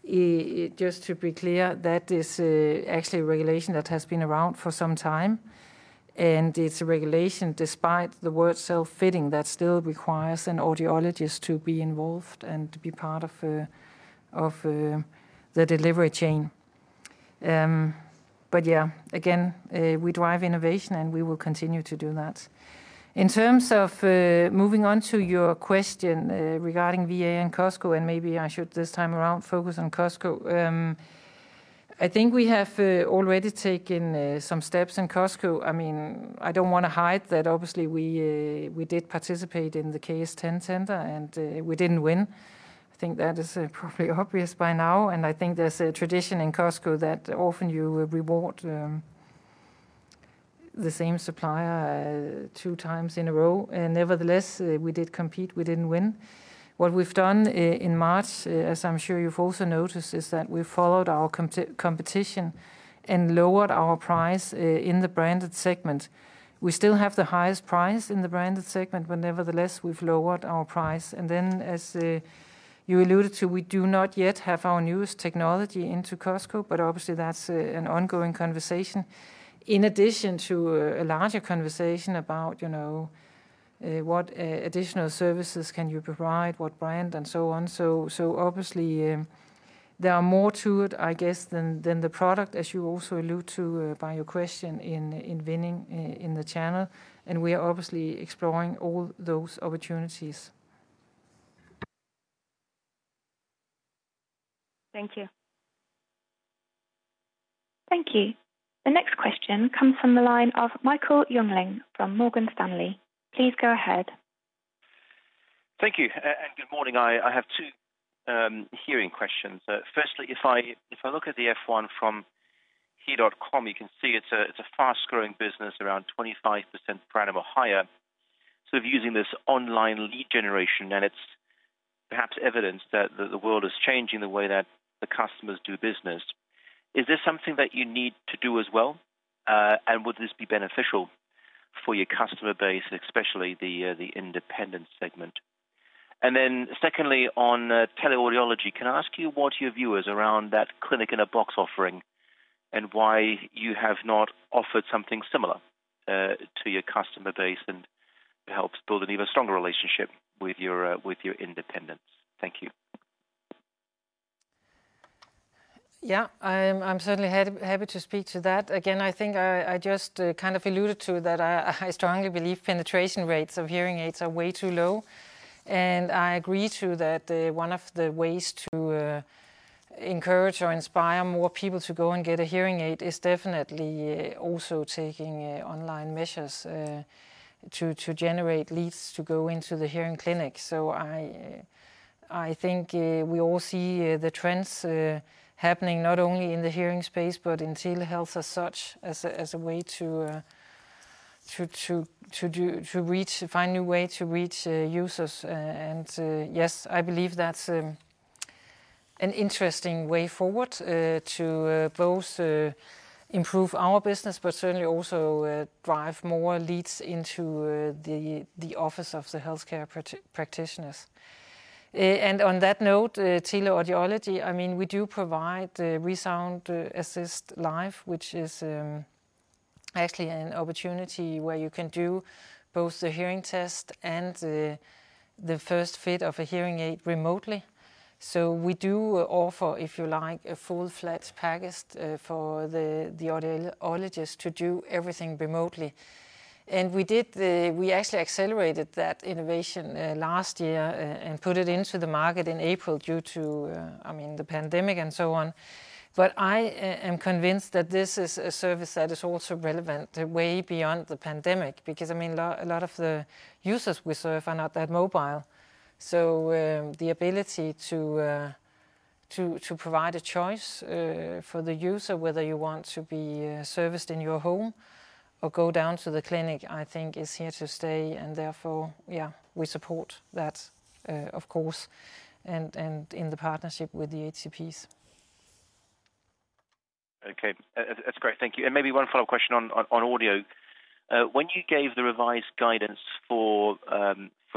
Speaker 3: just to be clear, that is actually a regulation that has been around for some time, and it's a regulation, despite the word self-fitting, that still requires an audiologist to be involved and to be part of the delivery chain. Yeah, again, we drive innovation, and we will continue to do that. In terms of moving on to your question regarding VA and Costco, maybe I should, this time around, focus on Costco. I think we have already taken some steps in Costco. I don't want to hide that obviously, we did participate in the KS 10 tender, we didn't win. I think that is probably obvious by now. I think there's a tradition in Costco that often you reward the same supplier two times in a row. Nevertheless, we did compete. We didn't win. What we've done in March, as I'm sure you've also noticed, is that we followed our competition and lowered our price in the branded segment. We still have the highest price in the branded segment, but nevertheless, we've lowered our price. Then, as you alluded to, we do not yet have our newest technology into Costco, but obviously, that's an ongoing conversation, in addition to a larger conversation about what additional services can you provide, what brand and so on. Obviously, there are more to it, I guess, than the product, as you also allude to by your question in winning in the channel, and we are obviously exploring all those opportunities.
Speaker 9: Thank you.
Speaker 5: Thank you. The next question comes from the line of Michael Jungling from Morgan Stanley. Please go ahead.
Speaker 10: Thank you. Good morning. I have two hearing questions. Firstly, if I look at the F-1 from hear.com, you can see it's a fast-growing business, around 25% per annum or higher. Using this online lead generation, it's perhaps evidence that the world is changing the way that the customers do business. Is this something that you need to do as well? Would this be beneficial for your customer base, especially the independent segment? Secondly, on tele-audiology, can I ask you what your view is around that clinic-in-a-box offering, and why you have not offered something similar to your customer base, and it helps build an even stronger relationship with your independents. Thank you.
Speaker 3: Yeah. I'm certainly happy to speak to that. Again, I think I just kind of alluded to that I strongly believe penetration rates of hearing aids are way too low. I agree too, that one of the ways to encourage or inspire more people to go and get a hearing aid is definitely also taking online measures to generate leads to go into the hearing clinic. I think we all see the trends happening not only in the hearing space, but in telehealth as such, as a way to find new way to reach users. Yes, I believe that's an interesting way forward to both improve our business, but certainly also drive more leads into the office of the healthcare practitioners. On that note, tele-audiology, we do provide ReSound Assist Live, which is actually an opportunity where you can do both the hearing test and the first fit of a hearing aid remotely. We do offer, if you like, a full-fledged package for the audiologist to do everything remotely. We actually accelerated that innovation last year and put it into the market in April due to the pandemic and so on. I am convinced that this is a service that is also relevant way beyond the pandemic, because a lot of the users we serve are not that mobile. The ability to provide a choice for the user, whether you want to be serviced in your home or go down to the clinic, I think is here to stay. Therefore, yeah, we support that, of course, and in the partnership with the HCPs.
Speaker 10: Okay. That's great. Thank you. Maybe one follow-up question on audio. When you gave the revised guidance for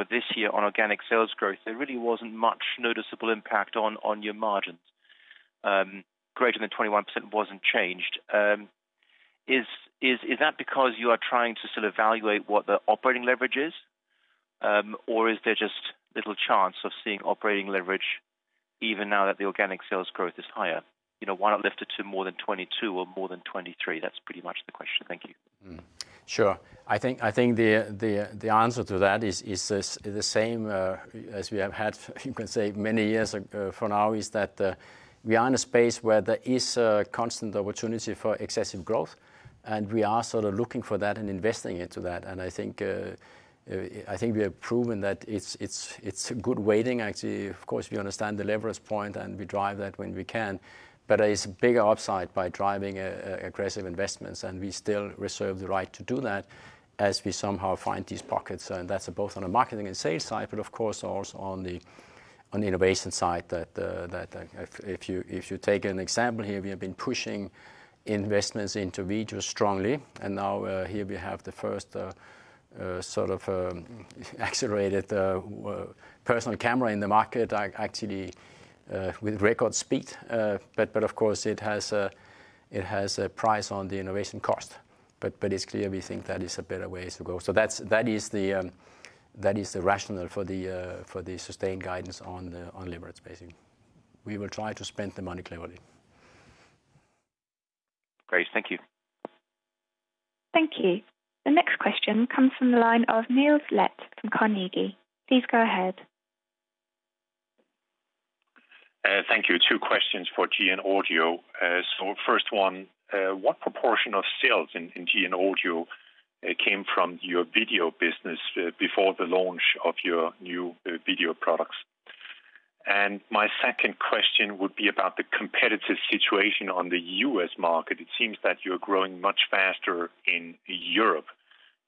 Speaker 10: this year on organic sales growth, there really wasn't much noticeable impact on your margins. Greater than 21% wasn't changed. Is that because you are trying to still evaluate what the operating leverage is? Or is there just little chance of seeing operating leverage even now that the organic sales growth is higher? Why not lift it to more than 22% or more than 23%? That's pretty much the question. Thank you.
Speaker 4: Sure. I think the answer to that is the same as we have had, you can say, many years for now, is that we are in a space where there is a constant opportunity for excessive growth. We are sort of looking for that and investing into that. I think we have proven that it's a good weighting, actually. Of course, we understand the leverage point, and we drive that when we can. There is a bigger upside by driving aggressive investments, and we still reserve the right to do that as we somehow find these pockets. That's both on a marketing and sales side, but of course, also on the innovation side. If you take an example here, we have been pushing investments into video strongly. Now here we have the first accelerated personal camera in the market, actually with record speed. Of course, it has a price on the innovation cost. It's clear we think that is a better way to go. That is the rationale for the sustained guidance on leverage, basically. We will try to spend the money cleverly.
Speaker 10: Great. Thank you.
Speaker 5: Thank you. The next question comes from the line of Niels Leth from Carnegie. Please go ahead.
Speaker 11: Thank you. Two questions for GN Audio. First one, what proportion of sales in GN Audio came from your video business before the launch of your new video products? My second question would be about the competitive situation on the U.S. market. It seems that you're growing much faster in Europe.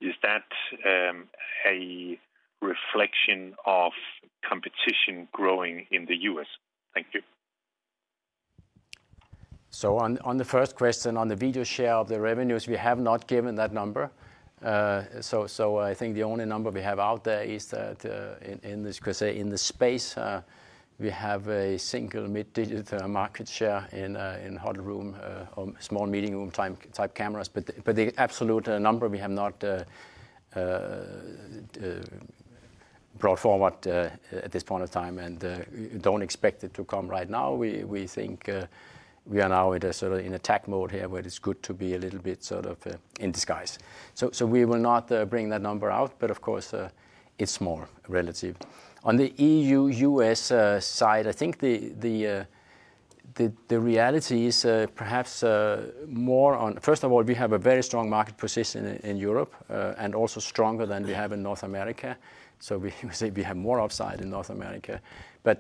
Speaker 11: Is that a reflection of competition growing in the U.S.? Thank you.
Speaker 4: On the first question, on the video share of the revenues, we have not given that number. I think the only number we have out there is that in the space, we have a single mid-digit market share in huddle room or small meeting room type cameras. The absolute number we have not brought forward at this point of time and don't expect it to come right now. We think we are now in attack mode here, where it's good to be a little bit in disguise. We will not bring that number out. Of course, it's more relative. On the E.U., U.S. side, I think the reality is perhaps more on, first of all, we have a very strong market position in Europe, and also stronger than we have in North America. We say we have more upside in North America. In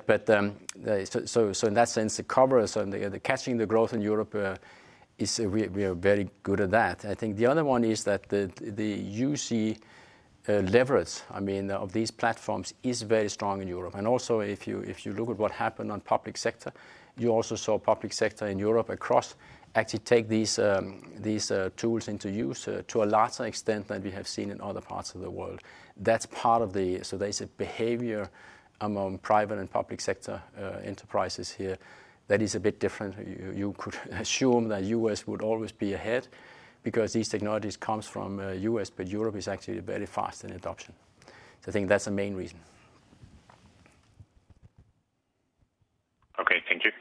Speaker 4: that sense, the coverage on the catching the growth in Europe, we are very good at that. I think the other one is that the UC leverage of these platforms is very strong in Europe. If you look at what happened on public sector, you also saw public sector in Europe across actually take these tools into use to a larger extent than we have seen in other parts of the world. There's a behavior among private and public sector enterprises here that is a bit different. You could assume that U.S. would always be ahead because these technologies comes from U.S., but Europe is actually very fast in adoption. I think that's the main reason.
Speaker 11: Okay, thank you.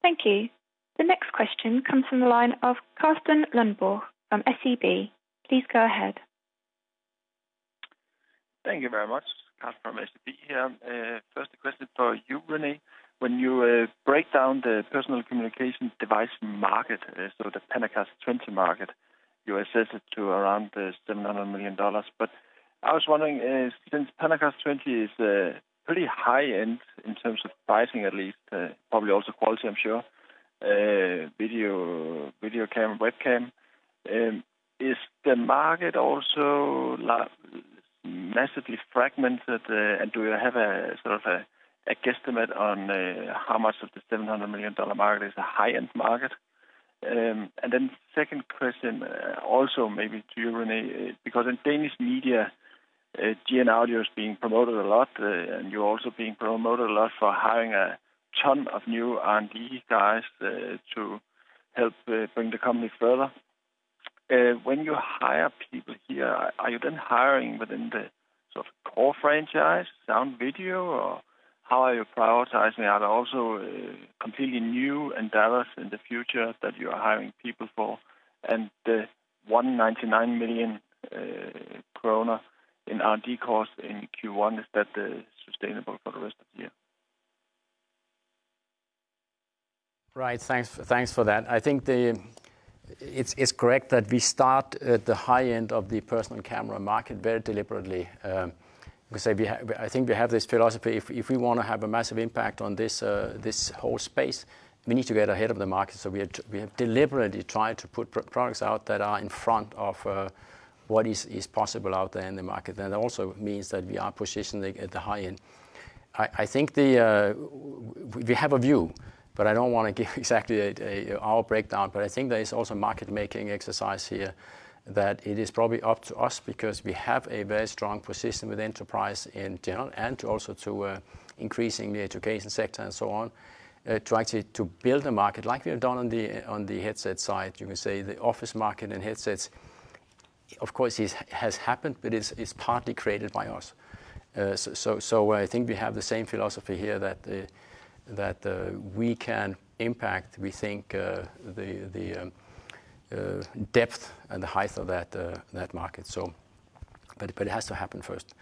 Speaker 5: Thank you. The next question comes from the line of Carsten Lønborg from SEB. Please go ahead.
Speaker 12: Thank you very much. Carsten from SEB here. First a question for you, René. When you break down the personal communication device market, so the PanaCast 20 market, you assess it to around the $700 million. I was wondering, since PanaCast 20 is pretty high-end in terms of pricing at least, probably also quality, I'm sure, video camera, webcam, is the market also massively fragmented? Do you have a guesstimate on how much of the $700 million market is a high-end market? Then second question also maybe to you, René, because in Danish media, GN Audio is being promoted a lot, and you're also being promoted a lot for hiring a ton of new R&D guys to help bring the company further. When you hire people here, are you then hiring within the core franchise, sound video, or how are you prioritizing? Are there also completely new endeavors in the future that you are hiring people for? The 199 million kroner in R&D cost in Q1, is that sustainable for the rest of the year?
Speaker 4: Right. Thanks for that. I think it's correct that we start at the high-end of the personal camera market very deliberately. I think we have this philosophy, if we want to have a massive impact on this whole space, we need to get ahead of the market. We have deliberately tried to put products out that are in front of what is possible out there in the market. It also means that we are positioning at the high-end. I think we have a view, I don't want to give exactly our breakdown, but I think there is also market making exercise here that it is probably up to us because we have a very strong position with enterprise in general and also to increasing the education sector and so on to actually to build a market like we have done on the headset side. You can say the office market and headsets, of course, it has happened, but it's partly created by us. I think we have the same philosophy here that we can impact, we think, the depth and the height of that market. It has to happen first.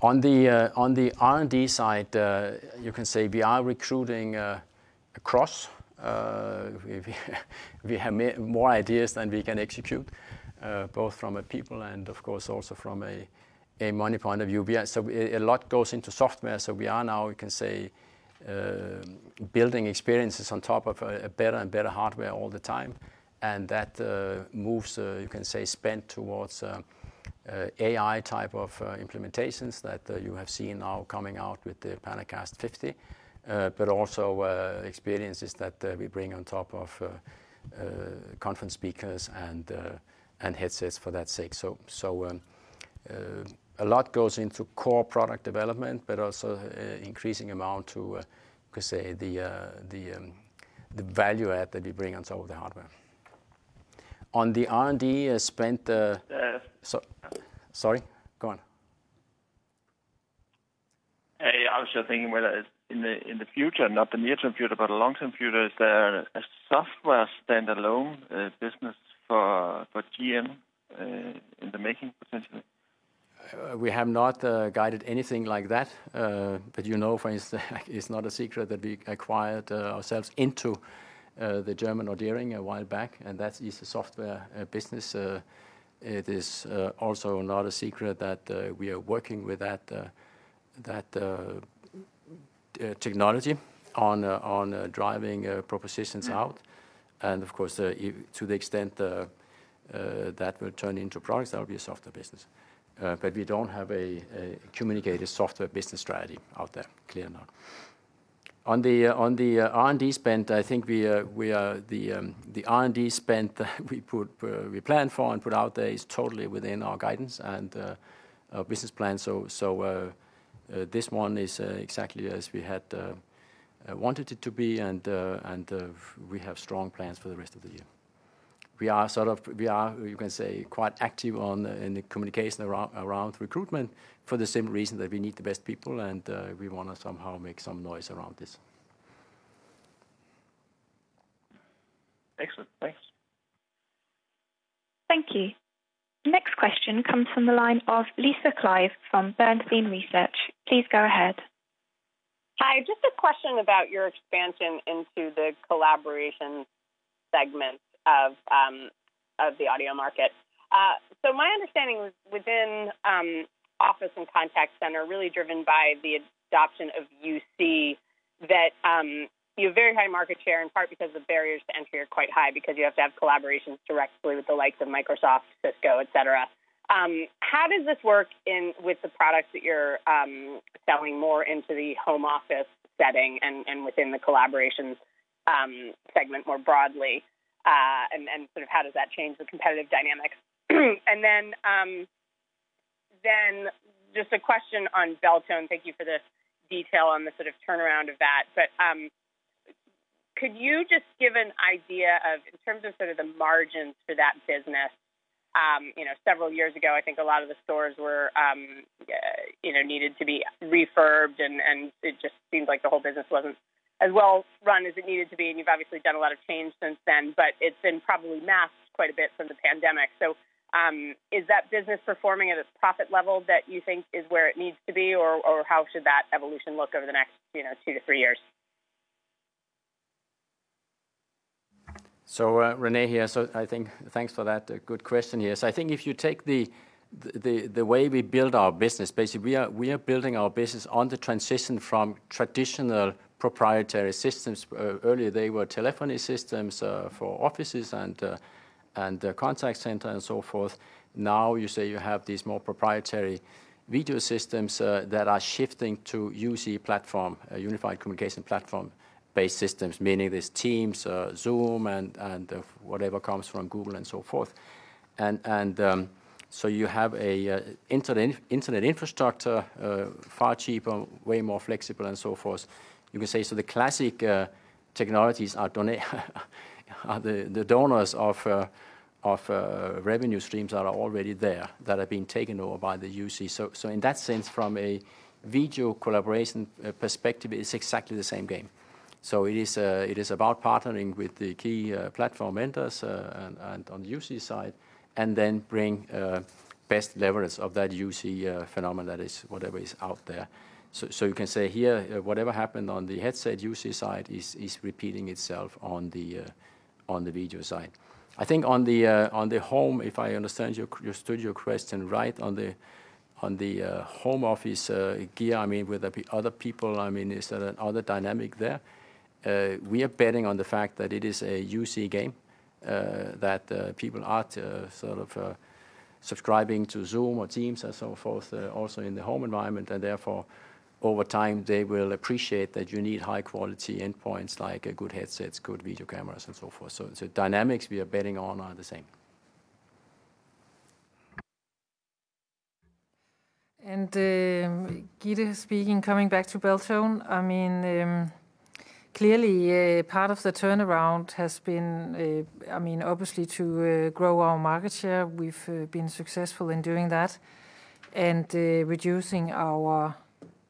Speaker 4: On the R&D side, you can say we are recruiting across. We have more ideas than we can execute, both from a people and, of course, also from a money point of view. A lot goes into software. We are now, you can say, building experiences on top of better and better hardware all the time, and that moves, you can say, spend towards AI type of implementations that you have seen now coming out with the PanaCast 50. Also experiences that we bring on top of conference speakers and headsets, for that sake. A lot goes into core product development, but also increasing amount to, you could say, the value add that we bring on top of the hardware. On the R&D spend.
Speaker 12: Yeah.
Speaker 4: Sorry, go on.
Speaker 12: I was just thinking whether in the future, not the near-term future, but the long-term future, is there a software standalone business for GN in the making, potentially?
Speaker 4: You know, for instance, it's not a secret that we acquired ourselves into the German audEERING a while back, and that is a software business. It is also not a secret that we are working with that technology on driving propositions out. Of course, to the extent that will turn into products, that will be a software business. We don't have a communicated software business strategy out there, clear, now. On the R&D spend, I think the R&D spend that we plan for and put out there is totally within our guidance and business plan. This one is exactly as we had wanted it to be, and we have strong plans for the rest of the year. We are, you can say, quite active in the communication around recruitment for the same reason that we need the best people, and we want to somehow make some noise around this.
Speaker 12: Excellent. Thanks.
Speaker 5: Thank you. Next question comes from the line of Lisa Clive from Bernstein Research. Please go ahead.
Speaker 13: Hi, just a question about your expansion into the collaboration segment of the audio market. My understanding was within office and contact center, really driven by the adoption of UC, that you have very high market share, in part because the barriers to entry are quite high because you have to have collaborations directly with the likes of Microsoft, Cisco, et cetera. How does this work with the products that you're selling more into the home office setting and within the collaborations segment more broadly? How does that change the competitive dynamics? Then just a question on Beltone. Thank you for the detail on the turnaround of that. Could you just give an idea of, in terms of the margins for that business? Several years ago, I think a lot of the stores needed to be refurbed and it just seemed like the whole business wasn't as well run as it needed to be, and you've obviously done a lot of change since then, but it's been probably masked quite a bit from the pandemic. Is that business performing at its profit level that you think is where it needs to be, or how should that evolution look over the next two to three years?
Speaker 4: René here. Thanks for that good question. I think if you take the way we build our business, basically, we are building our business on the transition from traditional proprietary systems. Earlier, they were telephony systems for offices and contact center and so forth. Now, you say you have these more proprietary video systems that are shifting to UC platform, a unified communication platform-based systems, meaning there's Teams, Zoom, and whatever comes from Google and so forth. You have internet infrastructure far cheaper, way more flexible, and so forth. You can say, so the classic technologies are the donors of revenue streams that are already there, that are being taken over by the UC. In that sense, from a video collaboration perspective, it's exactly the same game. It is about partnering with the key platform vendors on the UC side, and then bring best leverage of that UC phenomenon that is whatever is out there. You can say here, whatever happened on the headset UC side is repeating itself on the video side. I think on the home, if I understood your question right on the home office gear, with the other people, is there other dynamic there? We are betting on the fact that it is a UC game, that people are subscribing to Zoom or Teams and so forth, also in the home environment, and therefore, over time, they will appreciate that you need high-quality endpoints, like good headsets, good video cameras, and so forth. The dynamics we are betting on are the same.
Speaker 3: Gitte speaking. Coming back to Beltone, clearly part of the turnaround has been, obviously, to grow our market share. We've been successful in doing that and reducing our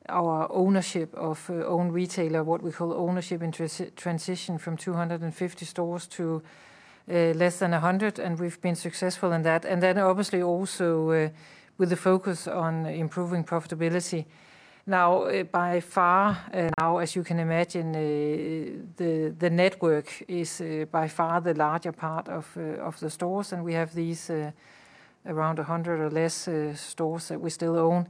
Speaker 3: ownership of own retailer, what we call ownership in transition from 250 stores to less than 100, we've been successful in that. Obviously also with the focus on improving profitability. Now, by far now, as you can imagine, the network is by far the larger part of the stores, and we have these around 100 or less stores that we still own.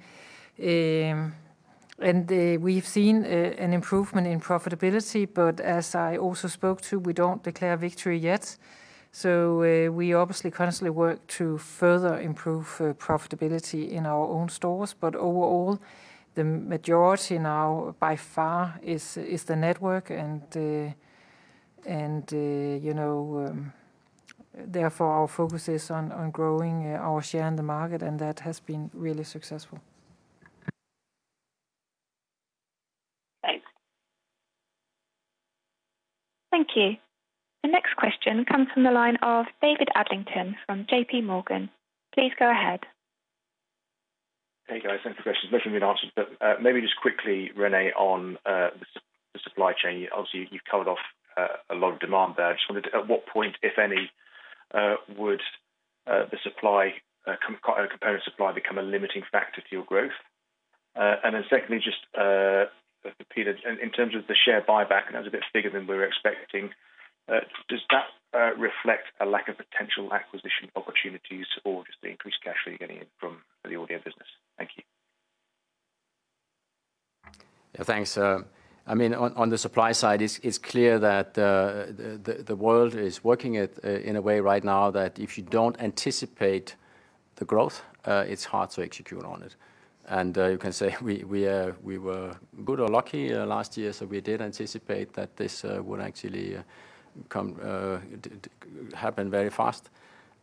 Speaker 3: We've seen an improvement in profitability, but as I also spoke to, we don't declare victory yet. We obviously constantly work to further improve profitability in our own stores, but overall, the majority now, by far, is the network. Therefore, our focus is on growing our share in the market, and that has been really successful.
Speaker 13: Thanks.
Speaker 5: Thank you. The next question comes from the line of David Adlington from JPMorgan. Please go ahead.
Speaker 14: Hey, guys. Thanks for questions. Most of them have been answered, but maybe just quickly, René, on the supply chain. Obviously, you've covered off a lot of demand there. I just wondered at what point, if any, would the component supply become a limiting factor to your growth? Then secondly, just Peter, in terms of the share buyback, and that was a bit bigger than we were expecting, does that reflect a lack of potential acquisition opportunities or just the increased cash flow you're getting in from the audio business? Thank you.
Speaker 4: Yeah, thanks. On the supply side, it's clear that the world is working in a way right now that if you don't anticipate the growth, it's hard to execute on it. You can say we were good or lucky last year, we did anticipate that this would actually happen very fast.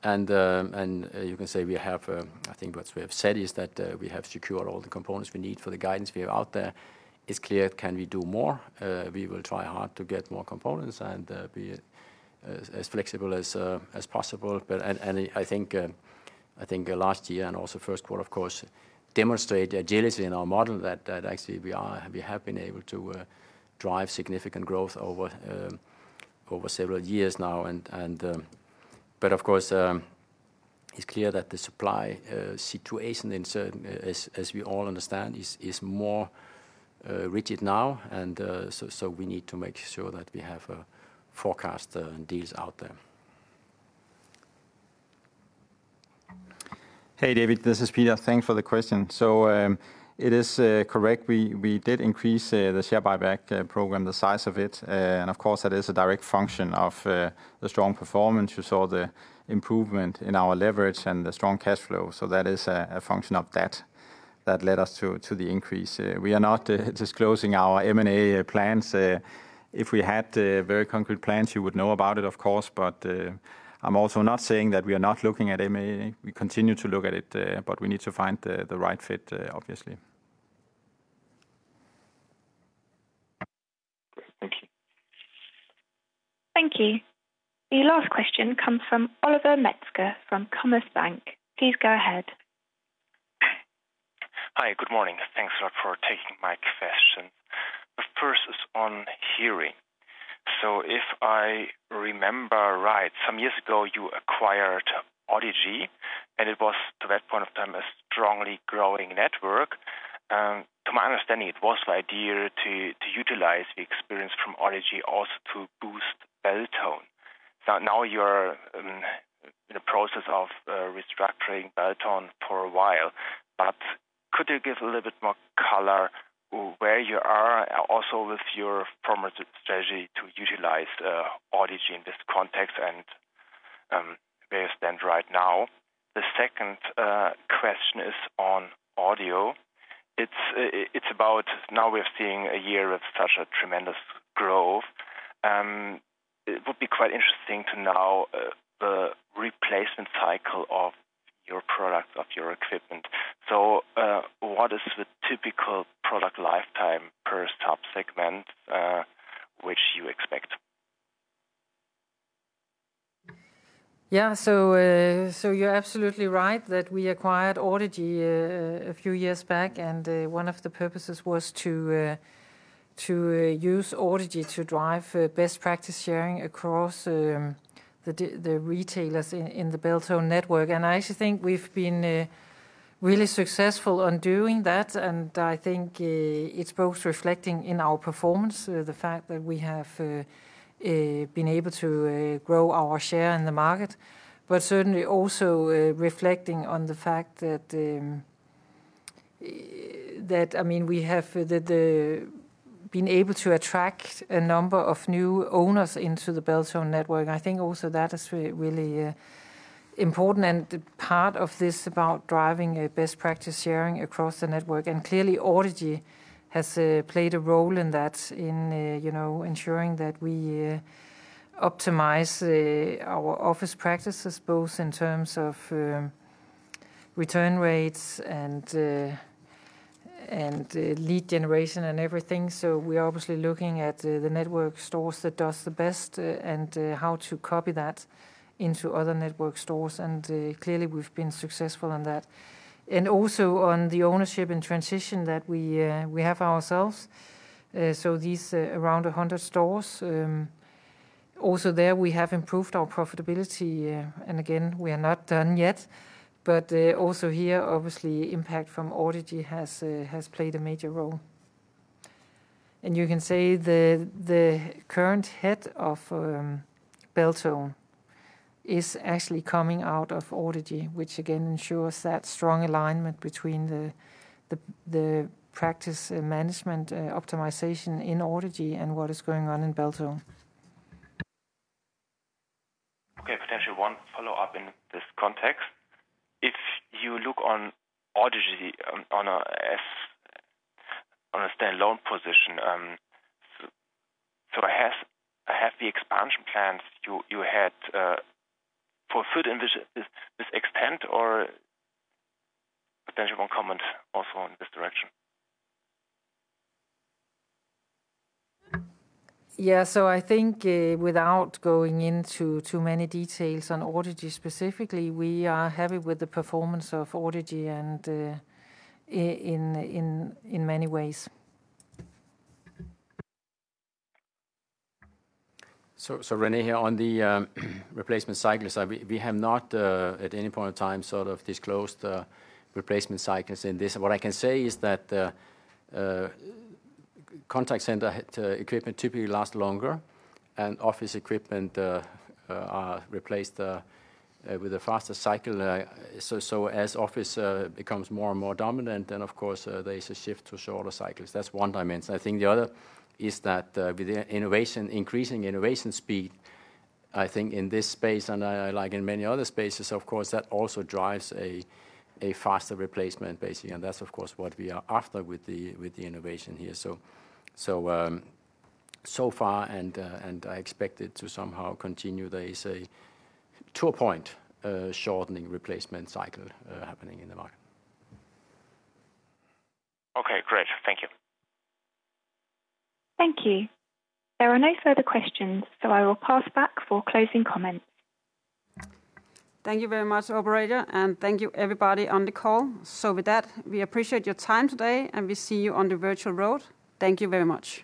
Speaker 4: You can say, I think what we have said is that we have secured all the components we need for the guidance we have out there. It's clear, can we do more? We will try hard to get more components and be as flexible as possible. I think last year and also first quarter, of course, demonstrate the agility in our model that actually we have been able to drive significant growth over several years now. Of course, it's clear that the supply situation as we all understand, is more rigid now. We need to make sure that we have forecast deals out there.
Speaker 2: Hey, David. This is Peter. Thanks for the question. It is correct. We did increase the share buyback program, the size of it. Of course, that is a direct function of the strong performance. You saw the improvement in our leverage and the strong cash flow. That is a function of that led us to the increase. We are not disclosing our M&A plans. If we had very concrete plans, you would know about it, of course, but I am also not saying that we are not looking at M&A. We continue to look at it, but we need to find the right fit, obviously.
Speaker 14: Great. Thank you.
Speaker 5: Thank you. The last question comes from Oliver Metzger from Commerzbank. Please go ahead.
Speaker 15: Hi. Good morning. Thanks a lot for taking my question. The first is on Hearing. If I remember right, some years ago, you acquired Audigy, and it was to that point of time a strongly growing network. To my understanding, it was the idea to utilize the experience from Audigy also to boost Beltone. Now you're in the process of restructuring Beltone for a while, but could you give a little bit more color where you are also with your former strategy to utilize Audigy in this context and where you stand right now? The second question is on Audio. It's about now we're seeing a year of such a tremendous growth. It would be quite interesting to know the replacement cycle of your product, of your equipment. What is the typical product lifetime per sub-segment, which you expect?
Speaker 3: Yeah. You're absolutely right that we acquired Audigy a few years back, and one of the purposes was to use Audigy to drive best practice sharing across the retailers in the Beltone network. I actually think we've been really successful on doing that, and I think it's both reflecting in our performance, the fact that we have been able to grow our share in the market, but certainly also reflecting on the fact that we have been able to attract a number of new owners into the Beltone network. I think also that is really important and part of this about driving a best practice sharing across the network. Clearly Audigy has played a role in that, in ensuring that we optimize our office practices both in terms of return rates and lead generation and everything. We are obviously looking at the network stores that does the best and how to copy that into other network stores, and clearly we've been successful in that. Also on the ownership and transition that we have ourselves. These around 100 stores. Also there, we have improved our profitability. Again, we are not done yet. Also here, obviously, impact from Audigy has played a major role. You can say the current head of Beltone is actually coming out of Audigy, which again ensures that strong alignment between the practice management optimization in Audigy and what is going on in Beltone.
Speaker 15: Okay. Potentially one follow-up in this context. If you look on Audigy on a standalone position, I have the expansion plans you had for Audigy in this extent or potential one comment also in this direction.
Speaker 3: Yeah. I think without going into too many details on Audigy specifically, we are happy with the performance of Audigy and in many ways.
Speaker 4: René here on the replacement cycles, we have not at any point in time sort of disclosed replacement cycles in this. What I can say is that the contact center equipment typically last longer and office equipment are replaced with a faster cycle. As office becomes more and more dominant, then of course there is a shift to shorter cycles. That's one dimension. I think the other is that with increasing innovation speed, I think in this space and like in many other spaces, of course, that also drives a faster replacement basically. That's of course what we are after with the innovation here. So far, I expect it to somehow continue, there is a two-point shortening replacement cycle happening in the market.
Speaker 15: Okay, great. Thank you.
Speaker 5: Thank you. There are no further questions, so I will pass back for closing comments.
Speaker 1: Thank you very much, operator, and thank you everybody on the call. With that, we appreciate your time today, and we see you on the virtual road. Thank you very much.